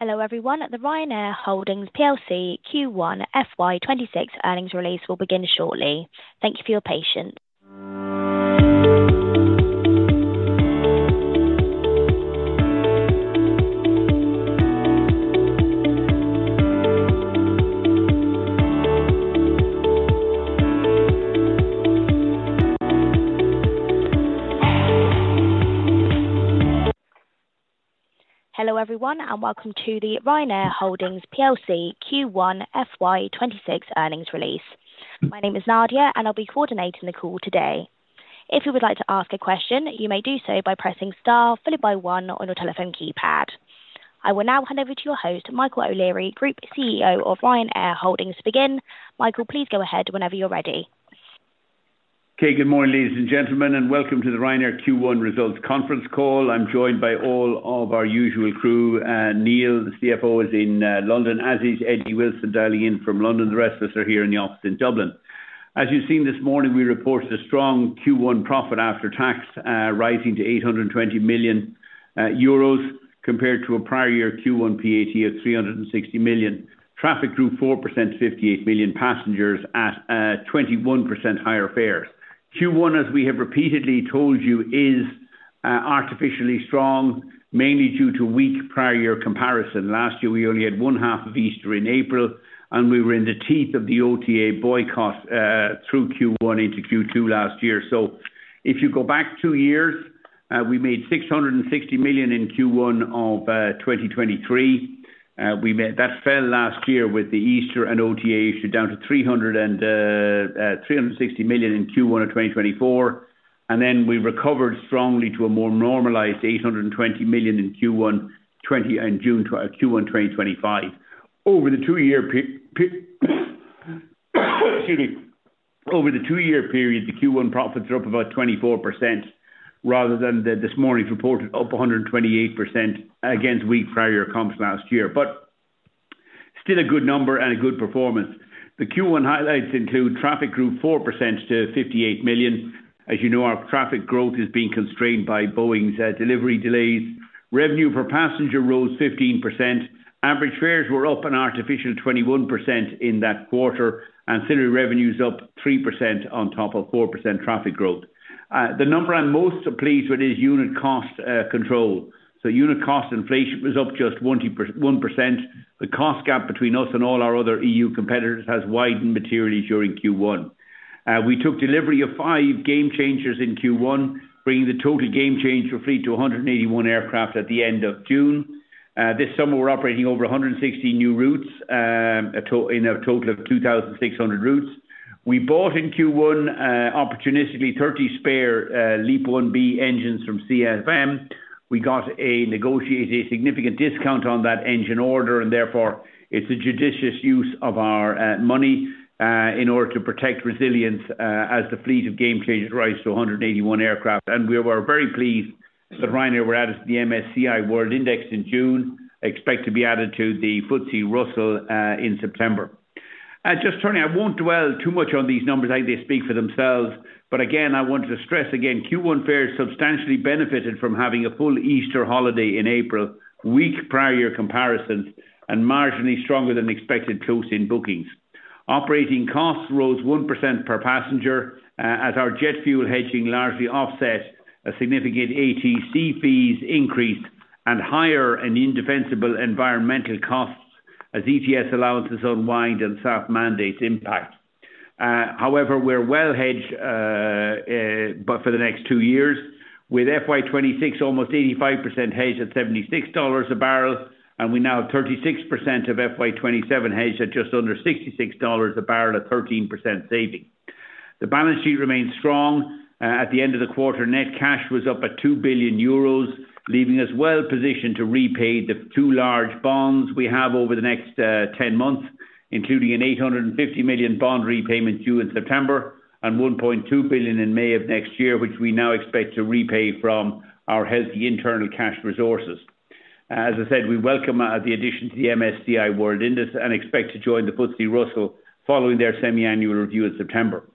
Hello everyone, the Ryanair Holdings Q1 plc FY26 earnings release will begin shortly. Thank you for your patience. Hello everyone, and welcome to the Ryanair Holdings plc Q1 FY26 earnings release. My name is Nadia, and I'll be coordinating the call today. If you would like to ask a question, you may do so by pressing star followed by one on your telephone keypad. I will now hand over to your host, Michael O’Leary, Group CEO of Ryanair Holdings, to begin. Michael, please go ahead whenever you're ready. Okay, good morning, ladies and gentlemen, and welcome to the Ryanair Q1 results conference call. I'm joined by all of our usual crew. Neil, the CFO, is in London, as is Eddie Wilson, dialing in from London. The rest of us are here in the office in Dublin. As you've seen this morning, we report a strong Q1 profit after tax rising to 820 million euros. Compared to a prior year Q1 PAT of 360 million. Traffic grew 4% to 58 million passengers at 21% higher fares. Q1, as we have repeatedly told you, is artificially strong, mainly due to weak prior year comparison. Last year, we only had 1/2 of Easter in April, and we were in the teeth of the OTA boycott through Q1 into Q2 last year. If you go back two years, we made 660 million in Q1 of 2023. That fell last year with the Easter and OTA issue down to 360 million in Q1 of 2024. We recovered strongly to a more normalized 820 million in Q1 2025. Over the two-year period, the Q1 profits are up about 24% rather than this morning's reported up 128% against weak prior year comps last year. Still a good number and a good performance. The Q1 highlights include traffic grew 4% to 58 million. As you know, our traffic growth is being constrained by Boeing's delivery delays. Revenue per passenger rose 15%. Average fares were up an artificial 21% in that quarter. Ancillary revenues up 3% on top of 4% traffic growth. The number I'm most pleased with is unit cost control. Unit cost inflation was up just 1%. The cost gap between us and all our other EU competitors has widened materially during Q1. We took delivery of five Gamechangers in Q1, bringing the total Gamechanger fleet to 181 aircraft at the end of June. This summer, we're operating over 160 new routes in a total of 2,600 routes. We bought in Q1 opportunistically 30 spare LEAP-IB engines from CFM. We got a significant discount on that engine order, and therefore it's a judicious use of our money in order to protect resilience as the fleet of Gamechangers rose to 181 aircraft. We were very pleased that Ryanair were added to the MSCI World Index in June. Expect to be added to the FTSE Russell in September. Just turning, I won't dwell too much on these numbers as they speak for themselves. I want to stress again, Q1 fares substantially benefited from having a full Easter holiday in April, weak prior year comparisons, and marginally stronger than expected close-in bookings. Operating costs rose 1% per passenger as our jet fuel hedging largely offset a significant ATC fees increase and higher and indefensible environmental costs as ETS allowances unwind and SAF mandates impact. However, we're well hedged for the next two years. With FY26 almost 85% hedged at $76 a barrel, and we now have 36% of FY27 hedged at just under $66 a barrel, a 13% saving. The balance sheet remained strong. At the end of the quarter, net cash was up at 2 billion euros, leaving us well positioned to repay the two large bonds we have over the next 10 months, including an 850 million bond repayment due in September and 1.2 billion in May of next year, which we now expect to repay from our healthy internal cash resources. As I said, we welcome the addition to the MSCI World Index and expect to join the FTSE Russell following their semi-annual review in September.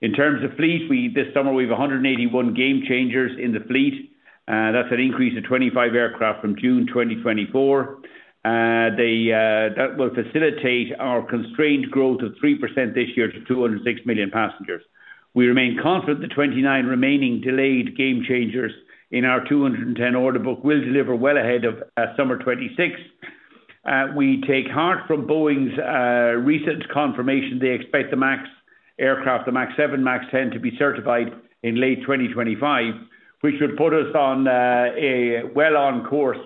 In terms of fleet, this summer we have 181 Gamechangers in the fleet. That is an increase of 25 aircraft from June 2024. That will facilitate our constrained growth of 3% this year to 206 million passengers. We remain confident the 29 remaining delayed Gamechangers in our 210 order book will deliver well ahead of summer 2026. We take heart from Boeing's recent confirmation they expect the MAX aircraft, the MAX-7, MAX-10 to be certified in late 2025, which would put us on a well-on course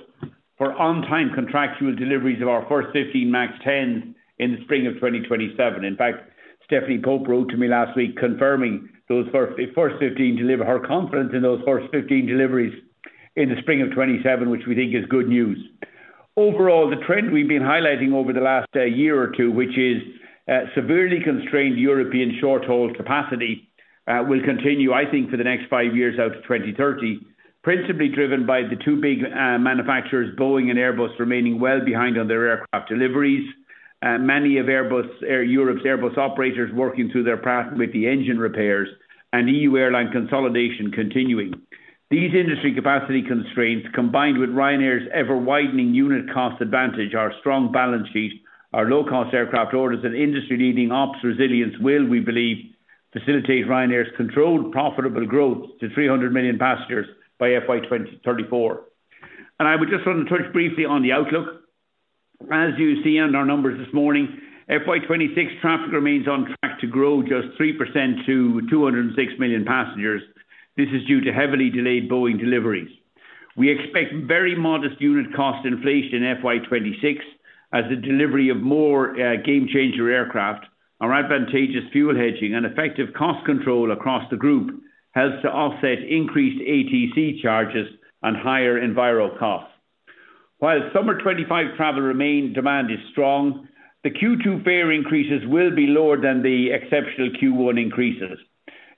for on-time contractual deliveries of our first 15 MAX-10s in the spring of 2027. In fact, Stephanie Pope wrote to me last week confirming those first 15 deliveries, her confidence in those first 15 deliveries in the spring of 2027, which we think is good news. Overall, the trend we have been highlighting over the last year or two, which is severely constrained European short-haul capacity, will continue, I think, for the next five years out to 2030, principally driven by the two big manufacturers, Boeing and Airbus, remaining well behind on their aircraft deliveries. Many of Europe's Airbus operators working through their pattern with the engine repairs and EU airline consolidation continuing. These industry capacity constraints, combined with Ryanair's ever-widening unit cost advantage, our strong balance sheet, our low-cost aircraft orders, and industry-leading ops resilience will, we believe, facilitate Ryanair's controlled, profitable growth to 300 million passengers by FY 2034. I would just want to touch briefly on the outlook. As you see in our numbers this morning, FY26 traffic remains on track to grow just 3% to 206 million passengers. This is due to heavily delayed Boeing deliveries. We expect very modest unit cost inflation in FY26 as the delivery of more Gamechanger aircraft, our advantageous fuel hedging, and effective cost control across the group helps to offset increased ATC charges and higher enviro costs. While summer 2025 travel demand is strong, the Q2 fare increases will be lower than the exceptional Q1 increases.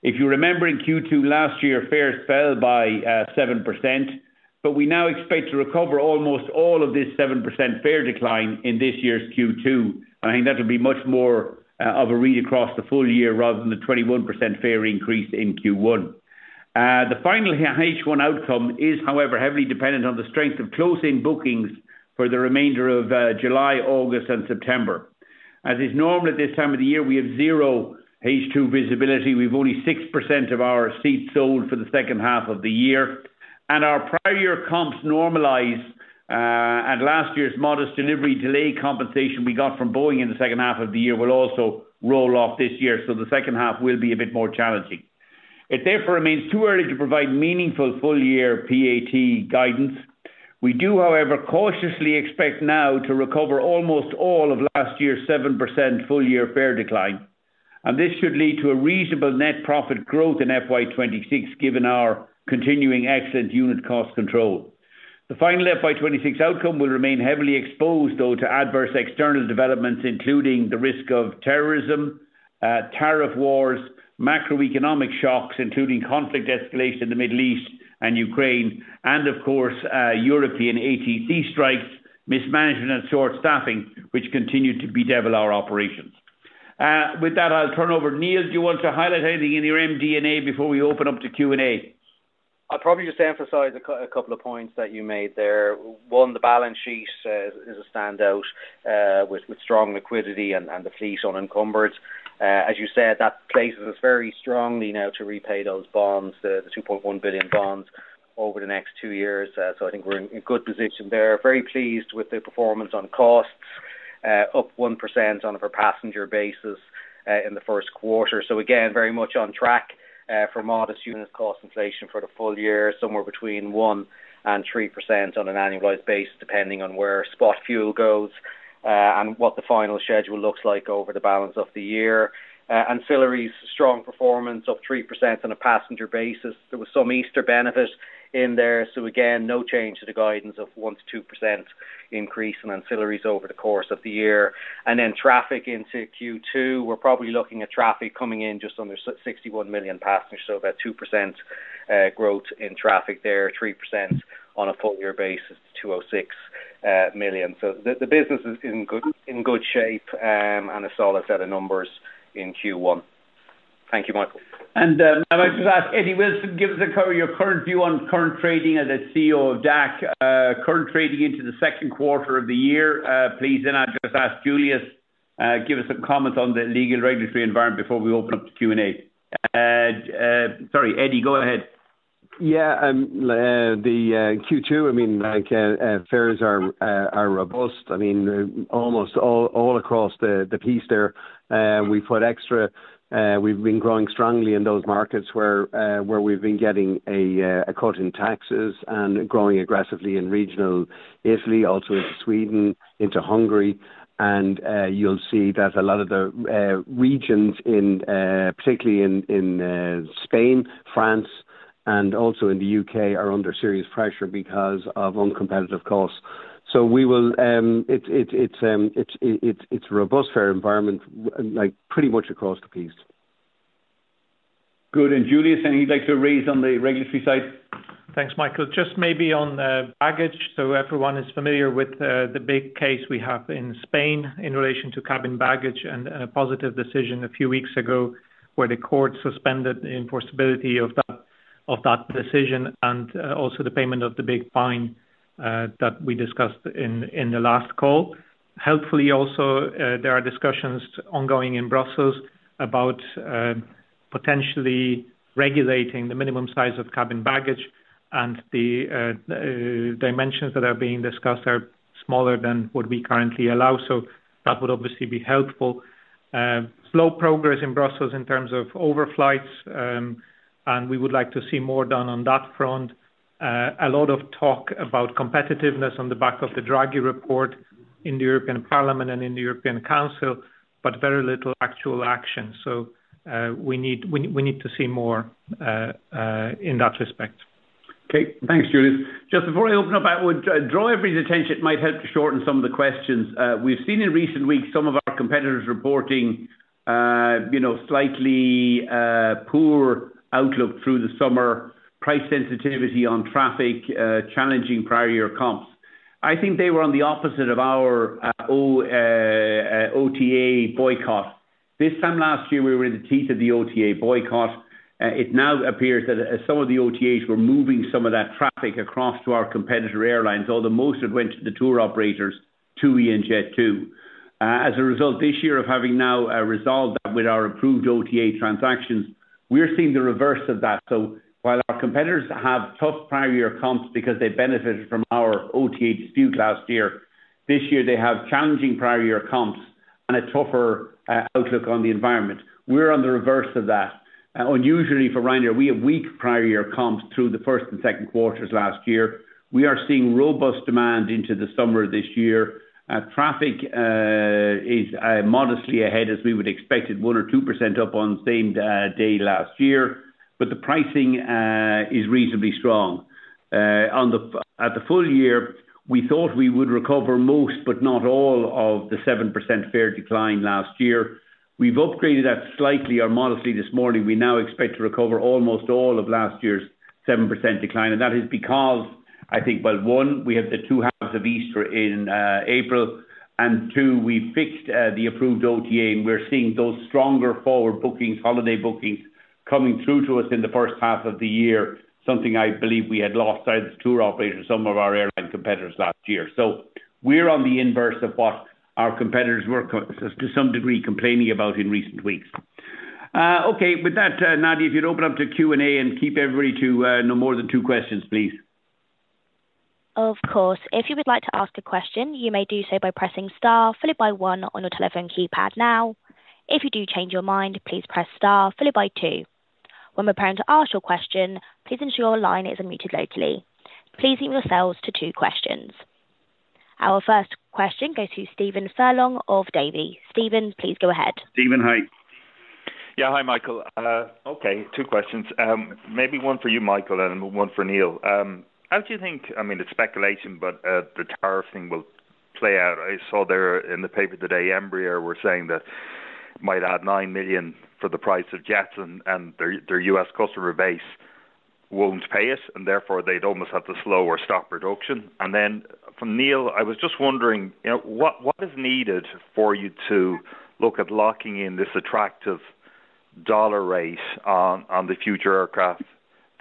If you remember in Q2 last year, fares fell by 7%, but we now expect to recover almost all of this 7% fare decline in this year's Q2. I think that'll be much more of a read across the full year rather than the 21% fare increase in Q1. The final H1 outcome is, however, heavily dependent on the strength of close-in bookings for the remainder of July, August, and September. As is normal at this time of the year, we have zero H2 visibility. We've only 6% of our seats sold for the second half of the year. And our prior year comps normalize. And last year's modest delivery delay compensation we got from Boeing in the second half of the year will also roll off this year. The second half will be a bit more challenging. It therefore remains too early to provide meaningful full-year PAT guidance. We do, however, cautiously expect now to recover almost all of last year's 7% full-year fare decline. And this should lead to a reasonable net profit growth in FY26, given our continuing excellent unit cost control. The final FY26 outcome will remain heavily exposed, though, to adverse external developments, including the risk of terrorism. Tariff wars, macroeconomic shocks, including conflict escalation in the Middle East and Ukraine, and of course, European ATC strikes, mismanagement, and short-staffing, which continue to bedevil our operations. With that, I'll turn over. Neil, do you want to highlight anything in your MD&A before we open up to Q&A? I'll probably just emphasize a couple of points that you made there. One, the balance sheet is a standout. With strong liquidity and the fleet's unencumbered. As you said, that places us very strongly now to repay those bonds, the 2.1 billion bonds, over the next two years. I think we're in a good position there. Very pleased with the performance on costs, up 1% on a per passenger basis in the first quarter. Again, very much on track for modest unit cost inflation for the full year, somewhere between 1%-3% on an annualized basis, depending on where spot fuel goes and what the final schedule looks like over the balance of the year. Ancillaries, strong performance of 3% on a passenger basis. There was some Easter benefit in there. Again, no change to the guidance of 1%-2% increase in ancillaries over the course of the year. Traffic into Q2, we're probably looking at traffic coming in just under 61 million passengers, so about 2% growth in traffic there, 3% on a full-year basis to 206 million. The business is in good shape and a solid set of numbers in Q1. Thank you, Michael. I'd like to ask Eddie Wilson, give us your current view on current trading as CEO of DAC. Current trading into the second quarter of the year, please. I'd just ask Juliusz to give us some comments on the legal regulatory environment before we open up to Q&A. Sorry, Eddie, go ahead. Yeah. The Q2, I mean, fares are robust. I mean, almost all across the piece there, we've put extra, we've been growing strongly in those markets where we've been getting a cut in taxes and growing aggressively in regional Italy, also into Sweden, into Hungary. And you'll see that a lot of the regions, particularly in Spain, France, and also in the U.K., are under serious pressure because of uncompetitive costs. So it's a robust fare environment pretty much across the piece. Good. And Juliusz, anything you'd like to raise on the regulatory side? Thanks, Michael. Just maybe on baggage. Everyone is familiar with the big case we have in Spain in relation to cabin baggage and a positive decision a few weeks ago where the court suspended the enforceability of that decision and also the payment of the big fine that we discussed in the last call. Helpfully, also, there are discussions ongoing in Brussels about potentially regulating the minimum size of cabin baggage. The dimensions that are being discussed are smaller than what we currently allow. That would obviously be helpful. Slow progress in Brussels in terms of overflights. We would like to see more done on that front. A lot of talk about competitiveness on the back of the Draghi Report in the European Parliament and in the European Council, but very little actual action. We need to see more in that respect. Okay. Thanks, Juliusz. Just before I open up, I would draw everybody's attention. It might help to shorten some of the questions. We've seen in recent weeks some of our competitors reporting slightly poor outlook through the summer, price sensitivity on traffic, challenging prior year comps. I think they were on the opposite of our OTA boycott. This time last year, we were in the teeth of the OTA boycott. It now appears that some of the OTAs were moving some of that traffic across to our competitor airlines, although most of it went to the tour operators, TUI and Jet2. As a result, this year, of having now resolved that with our approved OTA transactions, we're seeing the reverse of that. While our competitors have tough prior year comps because they benefited from our OTA dispute last year, this year they have challenging prior year comps and a tougher outlook on the environment. We're on the reverse of that. Unusually for Ryanair, we have weak prior year comps through the first and second quarters last year. We are seeing robust demand into the summer of this year. Traffic is modestly ahead, as we would expect it, 1% or 2% up on the same day last year, but the pricing is reasonably strong. At the full year, we thought we would recover most, but not all, of the 7% fare decline last year. We've upgraded that slightly or modestly this morning. We now expect to recover almost all of last year's 7% decline. That is because, I think, one, we have the two halves of Easter in April, and two, we fixed the approved OTA, and we're seeing those stronger forward bookings, holiday bookings, coming through to us in the first half of the year, something I believe we had lost out of the tour operators, some of our airline competitors last year. We're on the inverse of what our competitors were, to some degree, complaining about in recent weeks. Okay. With that, Nadia, if you'd open up to Q&A and keep everybody to no more than two questions, please. Of course. If you would like to ask a question, you may do so by pressing star, followed by one on your telephone keypad now. If you do change your mind, please press star, followed by two. When we're preparing to ask your question, please ensure your line is unmuted locally. Please leave yourselves to two questions. Our first question goes to Stephen Furlong of Davy. Stephen, please go ahead. Stephen, hi. Yeah, hi, Michael. Okay, two questions. Maybe one for you, Michael, and one for Neil. How do you think, I mean, it's speculation, but the tariff thing will play out. I saw there in the paper today, Embraer were saying that. Might add $9 million for the price of jets, and their U.S. customer base. Won't pay it, and therefore they'd almost have to slow or stop production. And then from Neil, I was just wondering, what is needed for you to look at locking in this attractive. Dollar rate on the future aircraft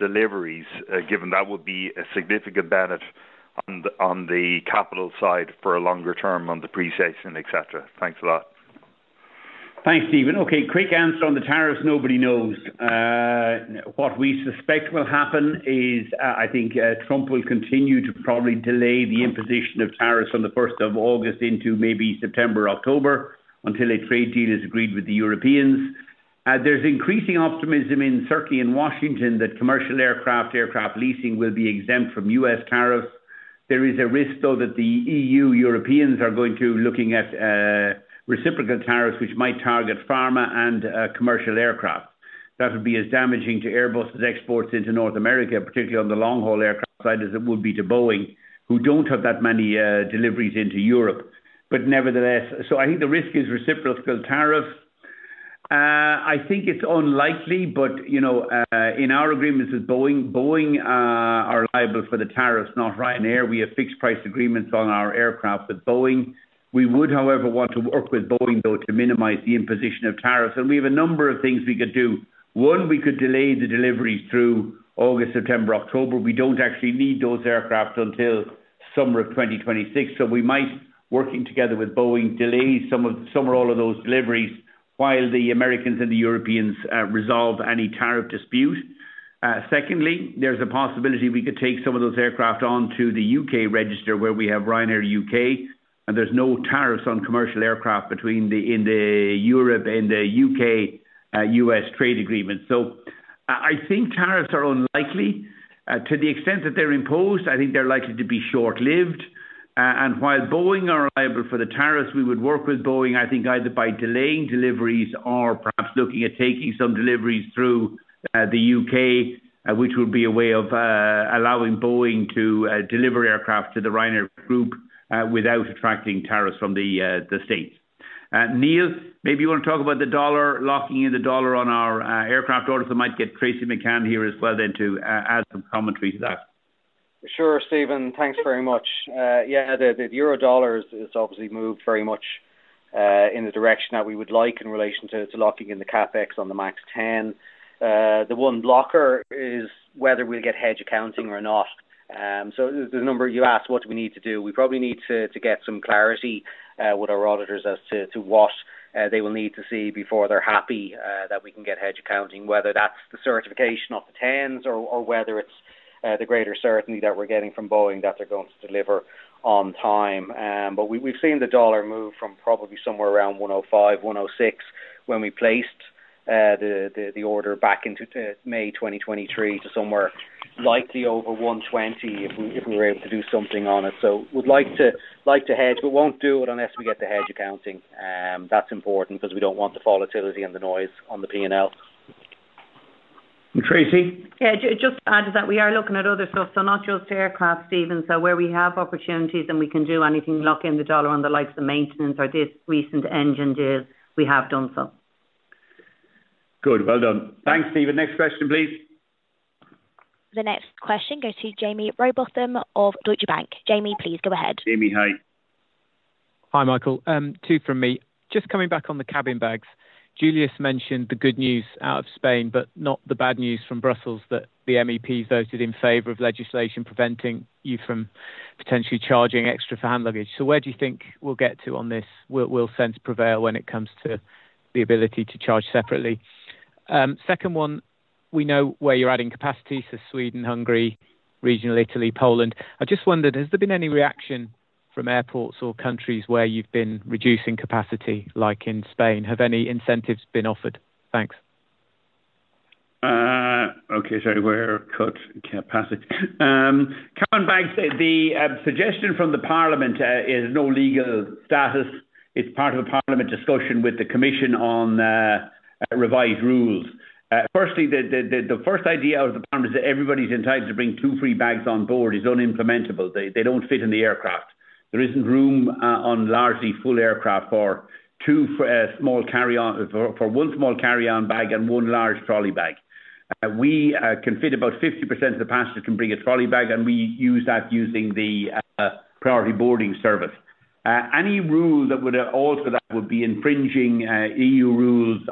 deliveries, given that would be a significant benefit on the capital side for a longer term on the pricing, et cetera? Thanks a lot. Thanks, Stephen. Okay, quick answer on the tariffs, nobody knows. What we suspect will happen is, I think, Trump will continue to probably delay the imposition of tariffs on the 1st of August into maybe September, October, until a trade deal is agreed with the Europeans. There's increasing optimism, certainly in Washington, that commercial aircraft, aircraft leasing will be exempt from U.S. tariffs. There is a risk, though, that the EU Europeans are going to be looking at reciprocal tariffs, which might target pharma and commercial aircraft. That would be as damaging to Airbus's exports into North America, particularly on the long-haul aircraft side, as it would be to Boeing, who do not have that many deliveries into Europe. Nevertheless, I think the risk is reciprocal tariffs. I think it's unlikely, but in our agreements with Boeing, Boeing are liable for the tariffs, not Ryanair. We have fixed price agreements on our aircraft with Boeing. We would, however, want to work with Boeing, though, to minimize the imposition of tariffs. We have a number of things we could do. One, we could delay the deliveries through August, September, October. We do not actually need those aircraft until summer of 2026. We might, working together with Boeing, delay some or all of those deliveries while the Americans and the Europeans resolve any tariff dispute. Secondly, there is a possibility we could take some of those aircraft onto the U.K. register, where we have Ryanair U.K., and there are no tariffs on commercial aircraft in the Europe and the U.K.-U.S. trade agreement. I think tariffs are unlikely. To the extent that they are imposed, I think they are likely to be short-lived. While Boeing are liable for the tariffs, we would work with Boeing, I think, either by delaying deliveries or perhaps looking at taking some deliveries through the U.K., which would be a way of allowing Boeing to deliver aircraft to the Ryanair Group without attracting tariffs from the States. Neil, maybe you want to talk about the dollar, locking in the dollar on our aircraft orders. I might get Tracey McCann here as well then to add some commentary to that. Sure, Stephen. Thanks very much. Yeah, the euro dollar has obviously moved very much in the direction that we would like in relation to locking in the CapEx on the MAX-10. The one blocker is whether we'll get hedge accounting or not. So the number you asked, what do we need to do? We probably need to get some clarity with our auditors as to what they will need to see before they're happy that we can get hedge accounting, whether that's the certification of the 10s or whether it's the greater certainty that we're getting from Boeing that they're going to deliver on time. We've seen the dollar move from probably somewhere around $1.05, $1.06 when we placed the order back in May 2023 to somewhere likely over $1.20 if we were able to do something on it. We'd like to hedge, but won't do it unless we get the hedge accounting. That's important because we don't want the volatility and the noise on the P&L. And Tracey? Yeah, just to add to that, we are looking at other stuff. Not just aircraft, Stephen. Where we have opportunities and we can do anything, lock in the dollar on the likes of maintenance or recent engine deals, we have done so. Good. Well done. Thanks, Stephen. Next question, please. The next question goes to Jaimie Rowbotham of Deutsche Bank. Jamie, please go ahead. Jaimie, hi. Hi, Michael. Two from me. Just coming back on the cabin bags. Juliusz mentioned the good news out of Spain, but not the bad news from Brussels that the MEP voted in favor of legislation preventing you from potentially charging extra for hand luggage. So where do you think we'll get to on this? Will sense prevail when it comes to the ability to charge separately? Second one, we know where you're adding capacity. So Sweden, Hungary, regional Italy, Poland. I just wondered, has there been any reaction from airports or countries where you've been reducing capacity, like in Spain? Have any incentives been offered? Thanks. Okay, sorry. Where cut capacity? Coming back, the suggestion from the Parliament is no legal status. It's part of a Parliament discussion with the Commission on revised rules. Firstly, the first idea out of the Parliament is that everybody's entitled to bring two free bags on board. It's unimplementable. They don't fit in the aircraft. There isn't room on largely full aircraft for one small carry-on bag and one large trolley bag. We can fit about 50% of the passengers can bring a trolley bag, and we use that using the priority boarding service. Any rule that would alter that would be infringing EU rules.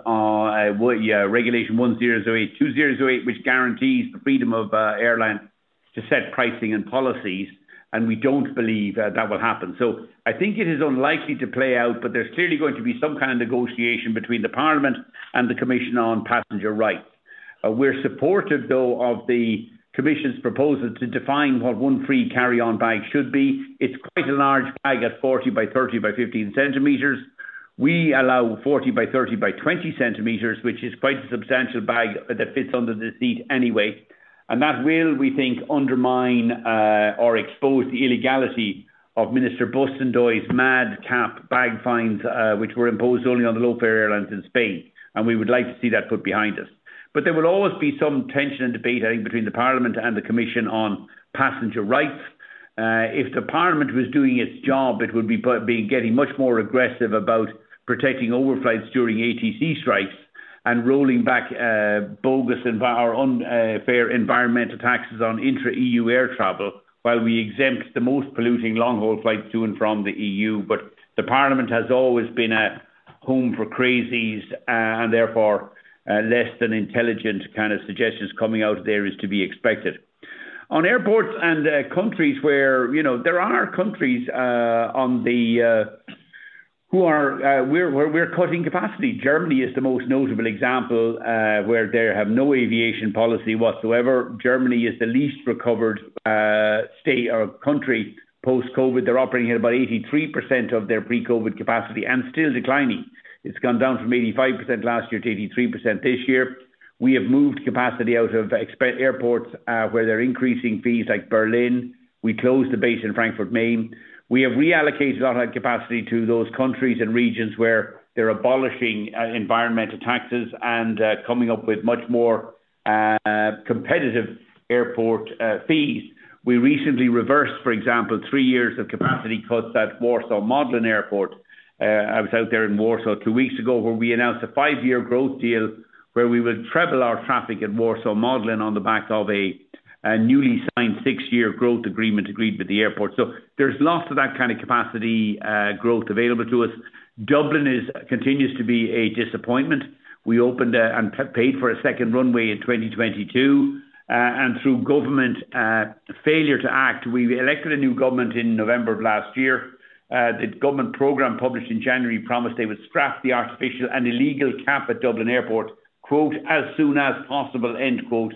Regulation 1008-2008, which guarantees the freedom of airlines to set pricing and policies, and we don't believe that will happen. I think it is unlikely to play out, but there's clearly going to be some kind of negotiation between the Parliament and the Commission on passenger rights. We're supportive, though, of the Commission's proposal to define what one free carry-on bag should be. It's quite a large bag at 40 by 30 by 15 cm. We allow 40 by 30 by 20 cm, which is quite a substantial bag that fits under the seat anyway. That will, we think, undermine or expose the illegality of Minister Bustinduy's mad cap bag fines, which were imposed only on the low-fare airlines in Spain. We would like to see that put behind us. There will always be some tension and debate, I think, between the Parliament and the Commission on passenger rights. If the Parliament was doing its job, it would be getting much more aggressive about protecting overflights during ATC strikes and rolling back fare environmental taxes on intra-EU air travel while we exempt the most polluting long-haul flights to and from the EU. The Parliament has always been a home for crazies and therefore less than intelligent kind of suggestions coming out of there is to be expected. On airports and countries where there are countries who are, we're cutting capacity. Germany is the most notable example where they have no aviation policy whatsoever. Germany is the least recovered state or country post-COVID. They're operating at about 83% of their pre-COVID capacity and still declining. It's gone down from 85% last year to 83% this year. We have moved capacity out of airports where they're increasing fees, like Berlin. We closed the base in Frankfurt, Maine. We have reallocated our capacity to those countries and regions where they're abolishing environmental taxes and coming up with much more competitive airport fees. We recently reversed, for example, three years of capacity cuts at Warsaw Modlin Airport. I was out there in Warsaw two weeks ago where we announced a five-year growth deal where we would treble our traffic at Warsaw Modlin on the back of a newly signed six-year growth agreement agreed with the airport. There's lots of that kind of capacity growth available to us. Dublin continues to be a disappointment. We opened and paid for a second runway in 2022. Through government failure to act, we elected a new government in November of last year. The government program published in January promised they would scrap the artificial and illegal cap at Dublin Airport, "as soon as possible."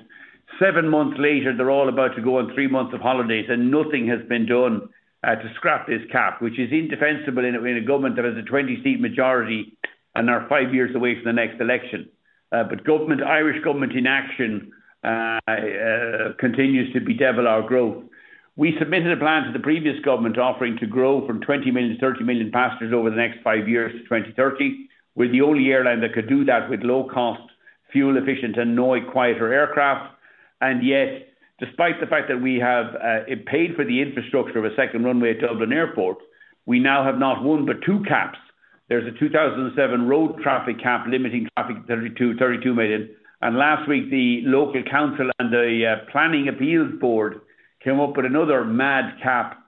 Seven months later, they're all about to go on three months of holidays, and nothing has been done to scrap this cap, which is indefensible in a government that has a 20-seat majority and are five years away from the next election. Irish government inaction continues to bedevil our growth. We submitted a plan to the previous government offering to grow from 20 million-30 million passengers over the next five years to 2030. We're the only airline that could do that with low-cost, fuel-efficient, and noise-quieter aircraft. Yet, despite the fact that we have paid for the infrastructure of a second runway at Dublin Airport, we now have not one but two caps. There's a 2007 road traffic cap limiting traffic to 32 million. Last week, the local council and the planning appeals board came up with another mad cap,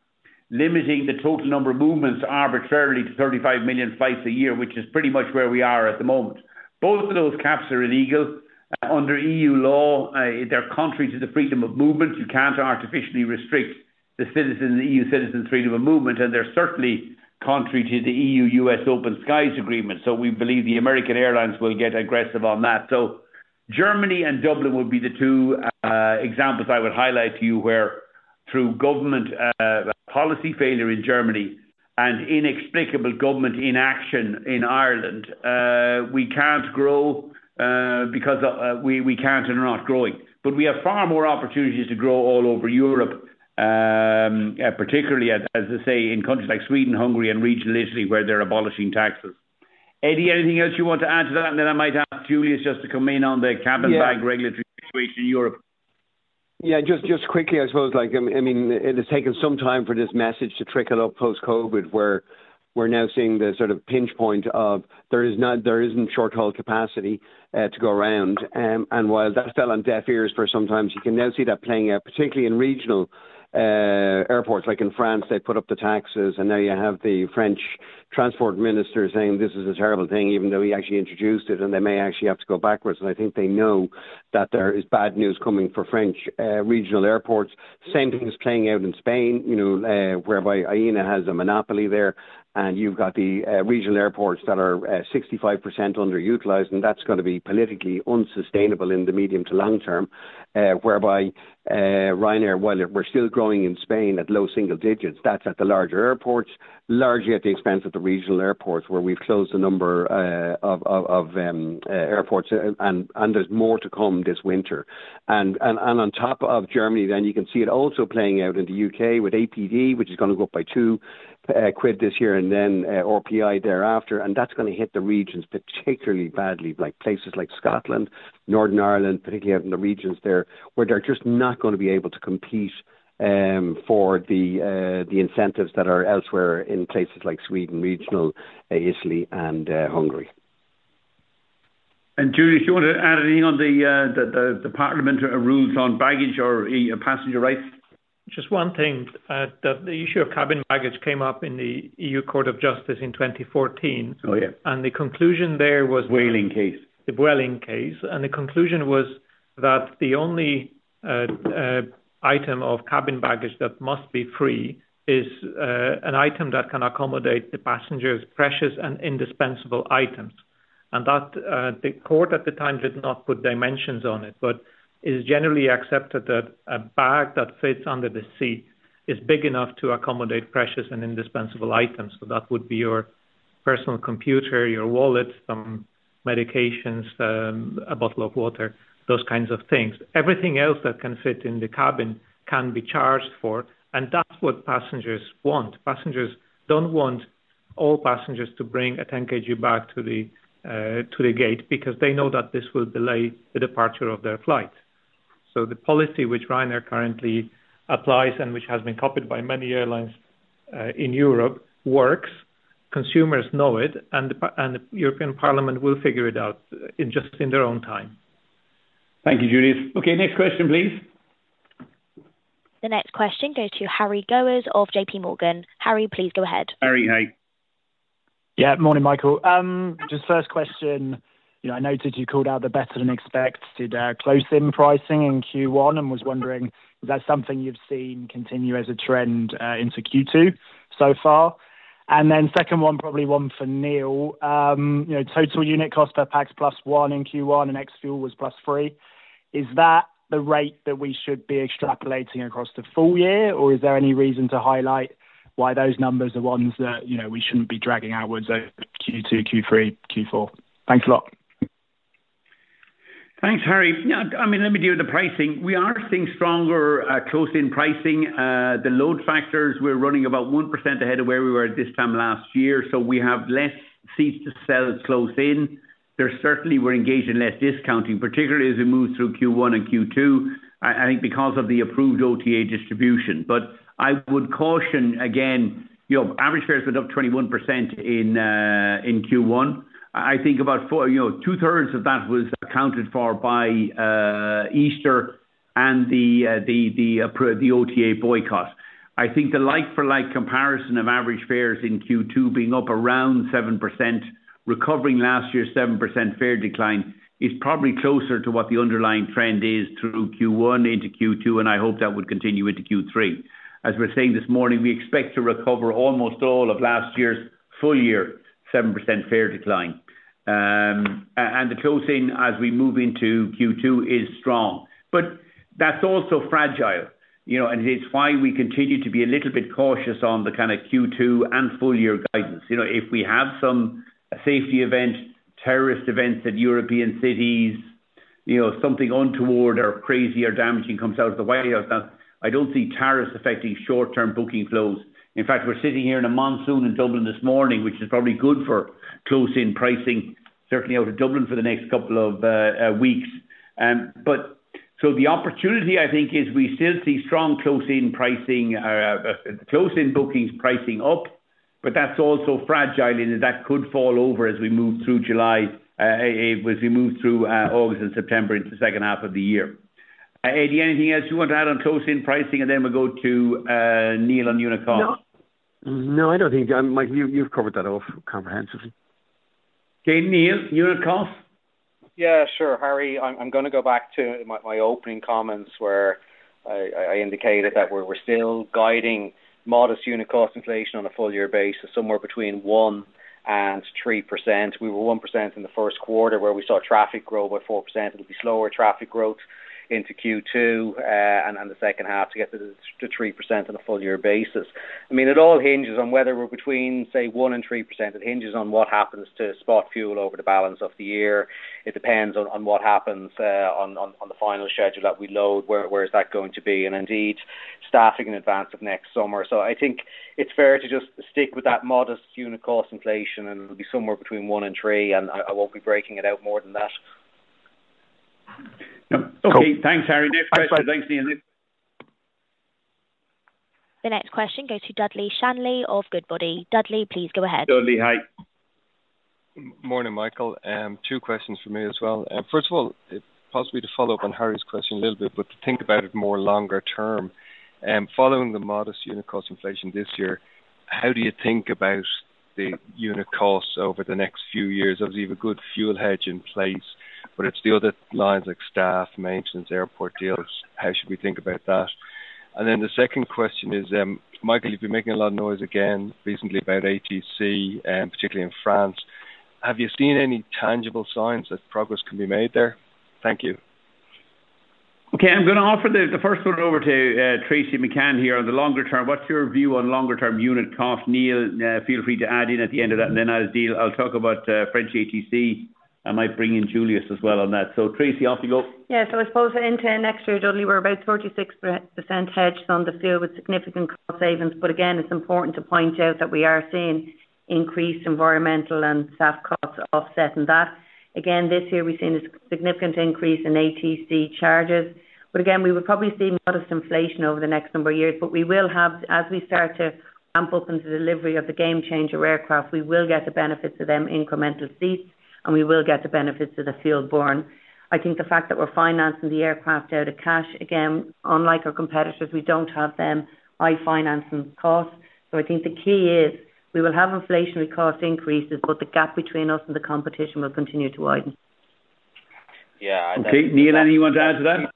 limiting the total number of movements arbitrarily to 35 million flights a year, which is pretty much where we are at the moment. Both of those caps are illegal under EU law. They're contrary to the freedom of movement. You can't artificially restrict the EU citizens' freedom of movement, and they're certainly contrary to the EU-U.S. Open Skies Agreement. We believe the American airlines will get aggressive on that. Germany and Dublin would be the two examples I would highlight to you where, through government policy failure in Germany and inexplicable government inaction in Ireland, we can't grow. We can't and are not growing. We have far more opportunities to grow all over Europe, particularly, as I say, in countries like Sweden, Hungary, and regional Italy, where they're abolishing taxes. Eddie, anything else you want to add to that? I might ask Juliusz just to come in on the cabin bag regulatory situation in Europe. Yeah, just quickly, I suppose. I mean, it has taken some time for this message to trickle up post-COVID where we're now seeing the sort of pinch point of there isn't short-haul capacity to go around. While that's still on deaf ears for sometimes, you can now see that playing out, particularly in regional airports. Like in France, they put up the taxes, and now you have the French Transport Minister saying this is a terrible thing, even though he actually introduced it, and they may actually have to go backwards. I think they know that there is bad news coming for French regional airports. Same thing is playing out in Spain, whereby Aena has a monopoly there, and you've got the regional airports that are 65% underutilized, and that's going to be politically unsustainable in the medium to long term, whereby Ryanair, while we're still growing in Spain at low single digits, that's at the larger airports, largely at the expense of the regional airports where we've closed the number of airports, and there's more to come this winter. On top of Germany, then you can see it also playing out in the U.K. with APD, which is going to go up by 2 quid this year, and then OPI thereafter. That's going to hit the regions particularly badly, like places like Scotland, Northern Ireland, particularly out in the regions there where they're just not going to be able to compete for the incentives that are elsewhere in places like Sweden, regional Italy, and Hungary. Juliusz, do you want to add anything on the parliamentary rules on baggage or passenger rights? Just one thing. The issue of cabin baggage came up in the EU Court of Justice in 2014. The conclusion there was. The Whaling case. The Whaling case. The conclusion was that the only item of cabin baggage that must be free is an item that can accommodate the passenger's precious and indispensable items. The court at the time did not put dimensions on it, but it is generally accepted that a bag that fits under the seat is big enough to accommodate precious and indispensable items. That would be your personal computer, your wallet, some medications, a bottle of water, those kinds of things. Everything else that can fit in the cabin can be charged for. That is what passengers want. Passengers do not want all passengers to bring a 10 kg bag to the gate because they know that this will delay the departure of their flight. The policy which Ryanair currently applies and which has been copied by many airlines in Europe works. Consumers know it, and the European Parliament will figure it out just in their own time. Thank you, Juliusz. Okay, next question, please. The next question goes to Harry Gowers of JP Morgan. Harry, please go ahead. Harry, hi. Yeah, morning, Michael. Just first question. I noted you called out the better-than-expected close-in pricing in Q1 and was wondering, is that something you've seen continue as a trend into Q2 so far? Second one, probably one for Neil. Total unit cost per pax +1 in Q1 and ex-fuel was +3. Is that the rate that we should be extrapolating across the full year, or is there any reason to highlight why those numbers are ones that we shouldn't be dragging outwards over Q2, Q3, Q4? Thanks a lot. Thanks, Harry. I mean, let me deal with the pricing. We are seeing stronger close-in pricing. The load factors, we're running about 1% ahead of where we were this time last year. We have fewer seats to sell close-in. Certainly, we're engaged in less discounting, particularly as we move through Q1 and Q2, I think because of the approved OTA distribution. I would caution, again, average fares went up 21% in Q1. I think about 2/3 of that was accounted for by Easter and the approved OTA boycott. I think the like-for-like comparison of average fares in Q2 being up around 7%, recovering last year's 7% fare decline, is probably closer to what the underlying trend is through Q1 into Q2, and I hope that would continue into Q3. As we're saying this morning, we expect to recover almost all of last year's full-year 7% fare decline. The close-in as we move into Q2 is strong. That is also fragile. It is why we continue to be a little bit cautious on the kind of Q2 and full-year guidance. If we have some safety event, terrorist events at European cities, something untoward or crazy or damaging comes out of the way, I do not see tariffs affecting short-term booking flows. In fact, we're sitting here in a monsoon in Dublin this morning, which is probably good for close-in pricing, certainly out of Dublin for the next couple of weeks. The opportunity, I think, is we still see strong close-in bookings pricing up, but that is also fragile in that that could fall over as we move through July, as we move through August and September into the second half of the year. Eddie, anything else you want to add on close-in pricing? Then we go to Neil on unit costs. No, I don't think. You've covered that all comprehensively. Okay, Neil, unit costs? Yeah, sure. Harry, I'm going to go back to my opening comments where I indicated that we're still guiding modest unit cost inflation on a full-year basis, somewhere between 1% and 3%. We were 1% in the first quarter where we saw traffic grow by 4%. It'll be slower traffic growth into Q2 and the second half to get to 3% on a full-year basis. I mean, it all hinges on whether we're between, say, 1% and 3%. It hinges on what happens to spot fuel over the balance of the year. It depends on what happens on the final schedule that we load, where is that going to be? And indeed, staffing in advance of next summer. I think it's fair to just stick with that modest unit cost inflation, and it'll be somewhere between 1% and 3%, and I won't be breaking it out more than that. Okay, thanks, Harry. Next question. Thanks, Neil. The next question goes to Dudley Shanley of Goodbody. Dudley, please go ahead. Dudley, hi. Morning, Michael. Two questions for me as well. First of all, possibly to follow up on Harry's question a little bit, but to think about it more longer term. Following the modest unit cost inflation this year, how do you think about the unit costs over the next few years? Obviously, you have a good fuel hedge in place, but it's the other lines like staff, maintenance, airport deals. How should we think about that? The second question is, Michael, you've been making a lot of noise again recently about ATC, particularly in France. Have you seen any tangible signs that progress can be made there? Thank you. Okay, I'm going to offer the first one over to Tracey McCann here on the longer term. What's your view on longer-term unit cost? Neil, feel free to add in at the end of that. As deal, I'll talk about French ATC, and I might bring in Juliusz as well on that. Tracey, off you go. Yes, I suppose in terms of next year, Dudley, we're about 36% hedged on the fuel with significant cost savings. Again, it's important to point out that we are seeing increased environmental and staff costs offset in that. Again, this year, we've seen a significant increase in ATC charges. We will probably see modest inflation over the next number of years, but we will have, as we start to ramp up into delivery of the Gamechanger aircraft, we will get the benefits of them incremental seats, and we will get the benefits of the fuel burn. I think the fact that we're financing the aircraft out of cash, again, unlike our competitors, we don't have them high financing costs. I think the key is we will have inflationary cost increases, but the gap between us and the competition will continue to widen. Yeah. Okay, Neil, anyone to add to that?